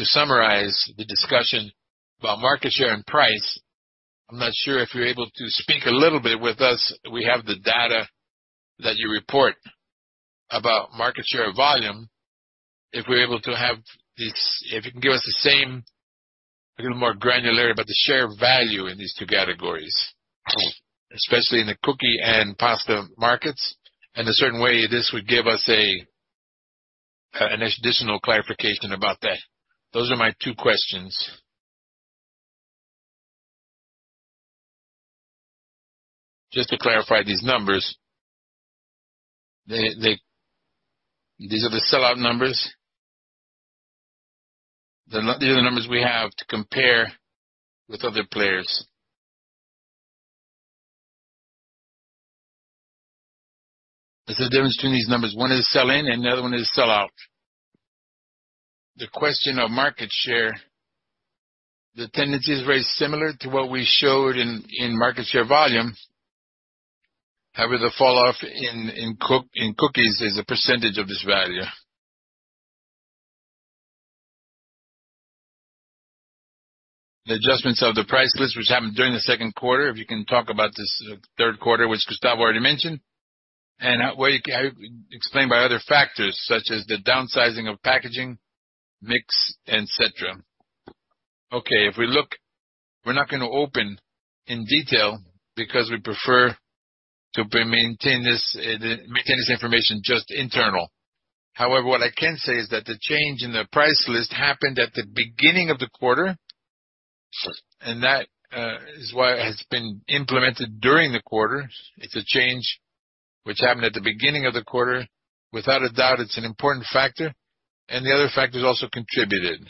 summarize the discussion about market share and price. I'm not sure if you're able to speak a little bit with us. We have the data that you report about market share volume. If you can give us the same, a little more granularity about the share value in these two categories, especially in the cookies and pasta markets. In a certain way, this would give us an additional clarification about that. Those are my two questions. Just to clarify these numbers. These are the sellout numbers. They're not the other numbers we have to compare with other players. There's a difference between these numbers. One is sell-in and the other one is sellout. The question of market share, the tendency is very similar to what we showed in market share volume. However, the falloff in cookies is a percentage of this value. The adjustments of the price list, which happened during the second quarter, if you can talk about this third quarter, which Gustavo already mentioned, and how, well, you can explain by other factors such as the downsizing of packaging, mix, et cetera. Okay, if we look, we're not gonna open in detail because we prefer to maintain this information just internal. However, what I can say is that the change in the price list happened at the beginning of the quarter, and that is why it has been implemented during the quarter. It's a change which happened at the beginning of the quarter. Without a doubt, it's an important factor, and the other factors also contributed.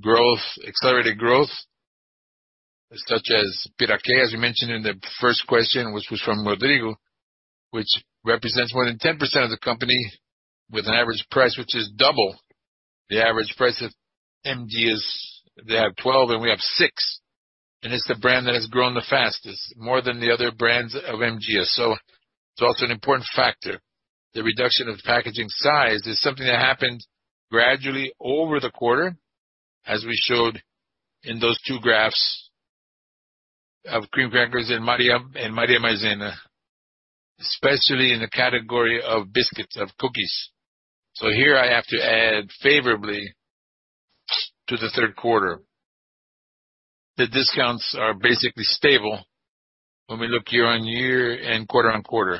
Growth, accelerated growth, such as Piraquê, as you mentioned in the first question, which was from Rodrigo, which represents more than 10% of the company with an average price which is double the average price of MGS. They have 12 and we have 6. It's the brand that has grown the fastest, more than the other brands of MGS. It's also an important factor. The reduction of packaging size is something that happened gradually over the quarter, as we showed in those two graphs of cream crackers in Maria, and Maria Maizena, especially in the category of biscuits, of cookies. Here I have to add favorably to the third quarter. The discounts are basically stable when we look year-over-year and quarter-over-quarter.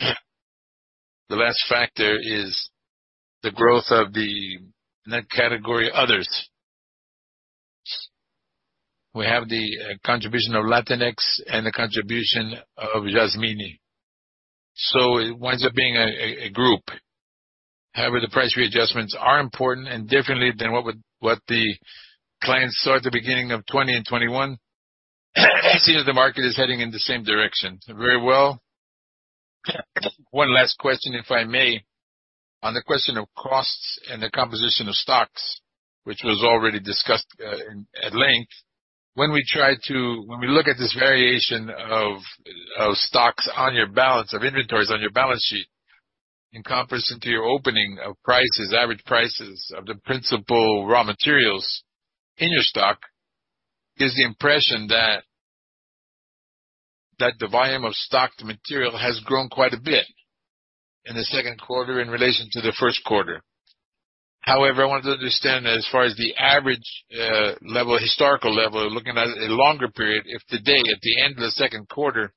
The last factor is the growth of the net category others. We have the contribution of Latinex and the contribution of Jasmine. It winds up being a group. However, the price readjustments are important and differently than what the clients saw at the beginning of 2020 and 2021. I see that the market is heading in the same direction. Very well. One last question, if I may. On the question of costs and the composition of stocks, which was already discussed in at length. When we look at this variation of stocks on your balance, of inventories on your balance sheet, in comparison to your opening of prices, average prices of the principal raw materials in your stock, gives the impression that the volume of stocked material has grown quite a bit in the second quarter in relation to the first quarter. However, I want to understand as far as the average level, historical level, looking at a longer period, if today at the end of the second quarter,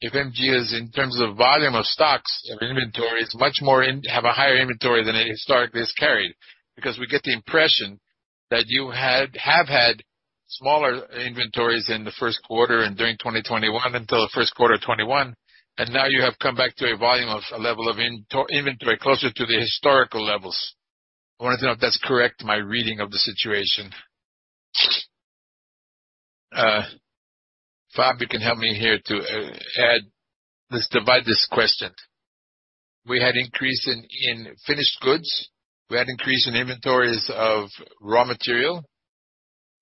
if as in terms of volume of stocks or inventories have a higher inventory than it historically has carried, because we get the impression that you have had smaller inventories in the first quarter and during 2021 until the first quarter of 2021, and now you have come back to a volume of a level of inventory closer to the historical levels. I wanted to know if that's correct, my reading of the situation. Fabio can help me here to add. Let's divide this question. We had increase in finished goods. We had increase in inventories of raw material,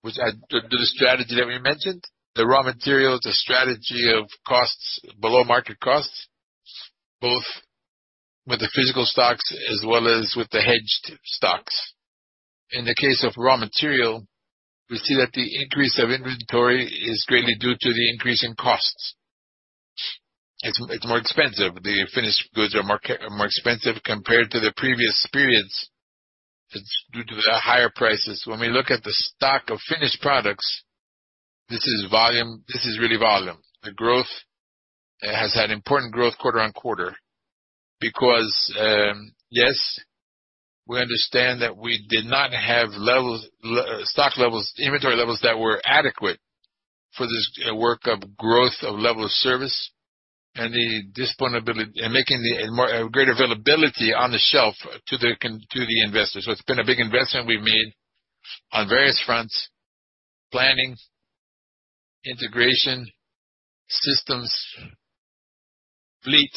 which had the strategy that we mentioned. The raw material is a strategy of costs below market costs, both with the physical stocks as well as with the hedged stocks. In the case of raw material, we see that the increase of inventory is greatly due to the increase in costs. It's more expensive. The finished goods are more expensive compared to the previous periods. It's due to the higher prices. When we look at the stock of finished products, this is volume. This is really volume. The growth has had important growth quarter-over-quarter because we understand that we did not have stock levels, inventory levels that were adequate for this work of growth of level of service and the availability, and making a greater availability on the shelf to the consumers. It's been a big investment we've made on various fronts, planning, integration, systems, fleet,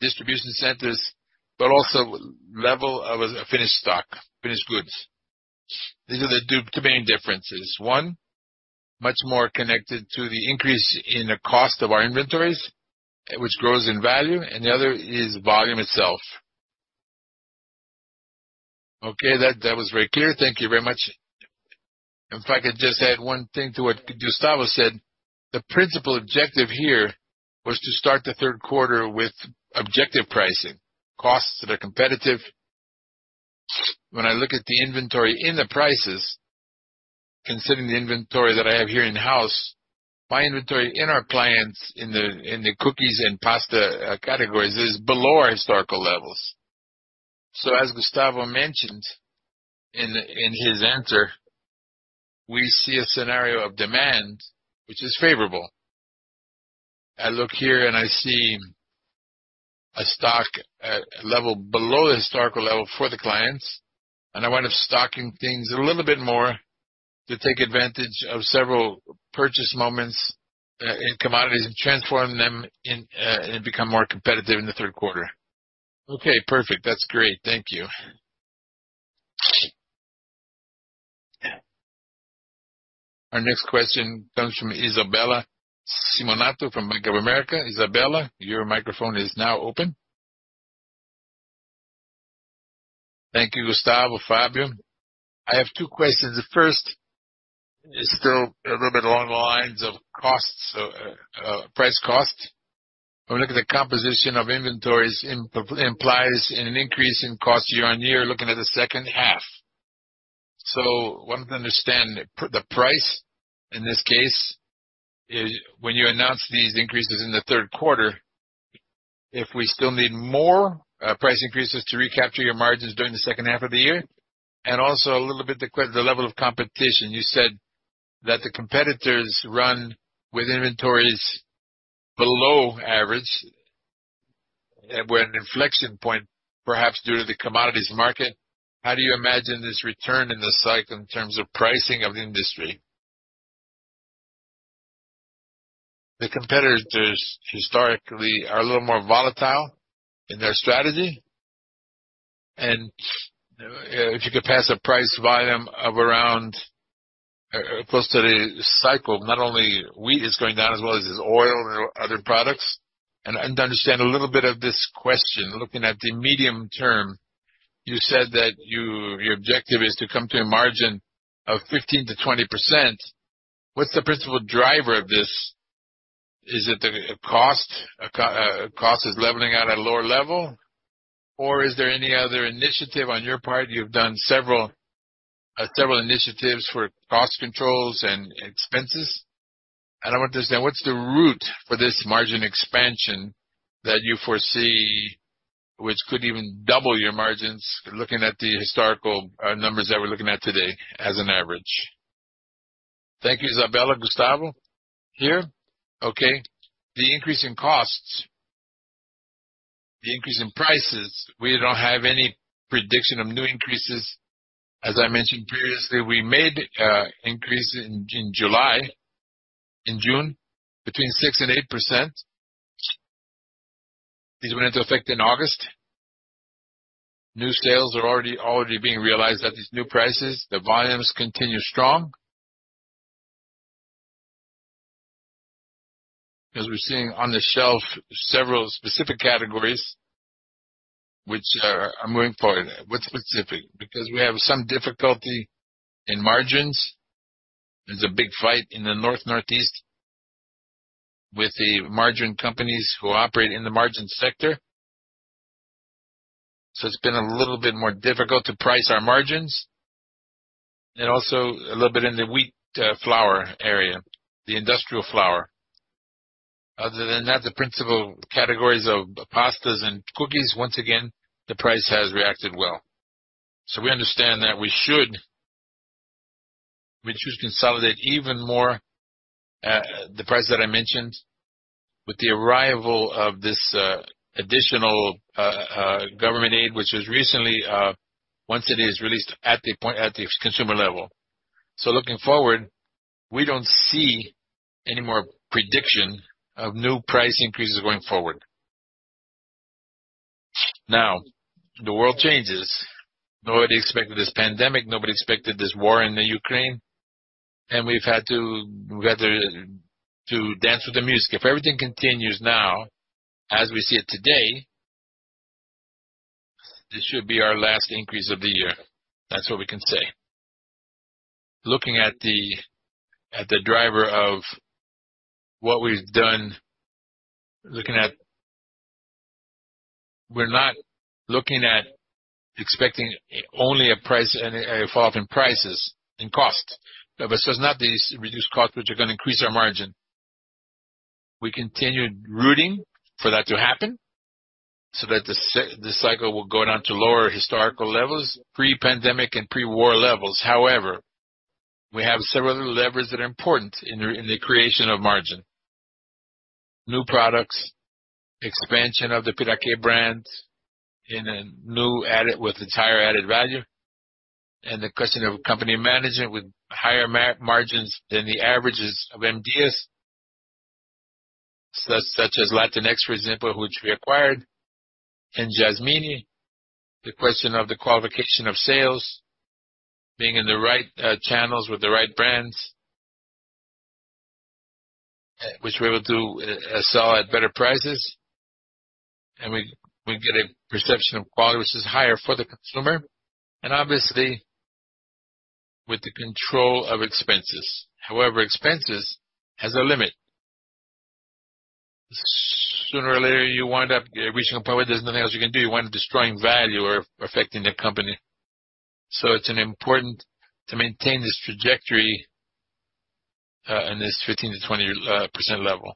distribution centers, but also level of a finished stock, finished goods. These are the two main differences. One, much more connected to the increase in the cost of our inventories, which grows in value, and the other is volume itself. Okay, that was very clear. Thank you very much. If I could just add one thing to what Gustavo said. The principal objective here was to start the third quarter with objective pricing, costs that are competitive. When I look at the inventory in the prices, considering the inventory that I have here in-house, my inventory in our clients in the cookies and pasta categories is below our historical levels. As Gustavo mentioned in his answer, we see a scenario of demand which is favorable. I look here and I see a stock at a level below the historical level for the clients, and I wind up stocking things a little bit more to take advantage of several purchase moments in commodities and transform them and become more competitive in the third quarter. Okay, perfect. That's great. Thank you. Our next question comes from Isabella Simonato from Bank of America. Isabella, your microphone is now open. Thank you, Gustavo, Fabio. I have two questions. The first is still a little bit along the lines of costs, price cost. Look at the composition of inventories implies an increase in cost year-on-year looking at the second half. Want to understand the price in this case is when you announce these increases in the third quarter, if we still need more price increases to recapture your margins during the second half of the year. Also a little bit the level of competition. You said that the competitors run with inventories below average. We're at an inflection point, perhaps due to the commodities market. How do you imagine this return in the cycle in terms of pricing of the industry? The competitors historically are a little more volatile in their strategy. If you could pass a price volume of around close to the cycle, not only wheat is going down as well as oil or other products. Understand a little bit of this question, looking at the medium term, you said that your objective is to come to a margin of 15%-20%. What's the principal driver of this? Is it the cost? Cost is leveling out at a lower level? Or is there any other initiative on your part? You've done several initiatives for cost controls and expenses. I want to understand what's the root for this margin expansion that you foresee, which could even double your margins, looking at the historical numbers that we're looking at today as an average. Thank you, Isabella. Gustavo. Here. Okay. The increase in costs, the increase in prices, we don't have any prediction of new increases. As I mentioned previously, we made increase in July, in June, between 6% and 8%. These went into effect in August. New sales are already being realized at these new prices. The volumes continue strong. As we're seeing on the shelf several specific categories which are moving forward. What specific? Because we have some difficulty in margarine. There's a big fight in the North Northeast with the margarine companies who operate in the margarine sector. It's been a little bit more difficult to price our margarine and also a little bit in the wheat flour area, the industrial flour. Other than that, the principal categories of pastas and cookies, once again, the price has reacted well. We understand that we should consolidate even more the price that I mentioned with the arrival of this additional government aid, which was recently once it is released at the consumer level. Looking forward, we don't see any more prediction of new price increases going forward. Now, the world changes. Nobody expected this pandemic. Nobody expected this war in Ukraine. We've had to dance with the music. If everything continues now as we see it today, this should be our last increase of the year. That's what we can say. Looking at the driver of what we've done. We're not looking at expecting only a price and a fall off in prices and cost. It's not these reduced costs which are gonna increase our margin. We continue rooting for that to happen so that the cycle will go down to lower historical levels, pre-pandemic and pre-war levels. However, we have several other levers that are important in the creation of margin. New products, expansion of the Piraquê brands in a new added with entire added value, and the question of company management with higher margins than the averages of MGS, such as Latinex, for example, which we acquired, and Jasmine, the question of the qualification of sales, being in the right channels with the right brands, which we're able to sell at better prices, and we get a perception of quality which is higher for the consumer, and obviously with the control of expenses. However, expenses has a limit. Sooner or later, you wind up reaching a point where there's nothing else you can do. You wind up destroying value or affecting the company. It's important to maintain this trajectory in this 15%-20% level.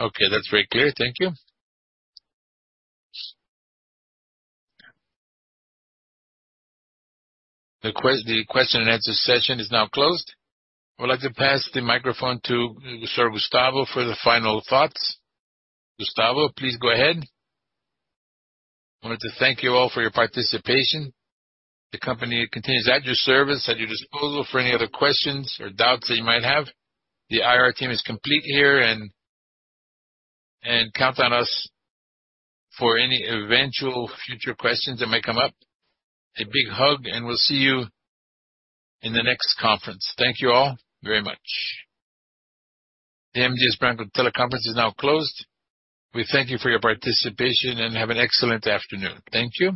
Okay. That's very clear. Thank you. The question and answer session is now closed. I would like to pass the microphone to Sir Gustavo for the final thoughts. Gustavo, please go ahead. I wanted to thank you all for your participation. The company continues at your service, at your disposal for any other questions or doubts that you might have. The IR team is complete here and count on us for any eventual future questions that may come up. A big hug, and we'll see you in the next conference. Thank you all very much. The M. Dias Branco teleconference is now closed. We thank you for your participation, and have an excellent afternoon. Thank you.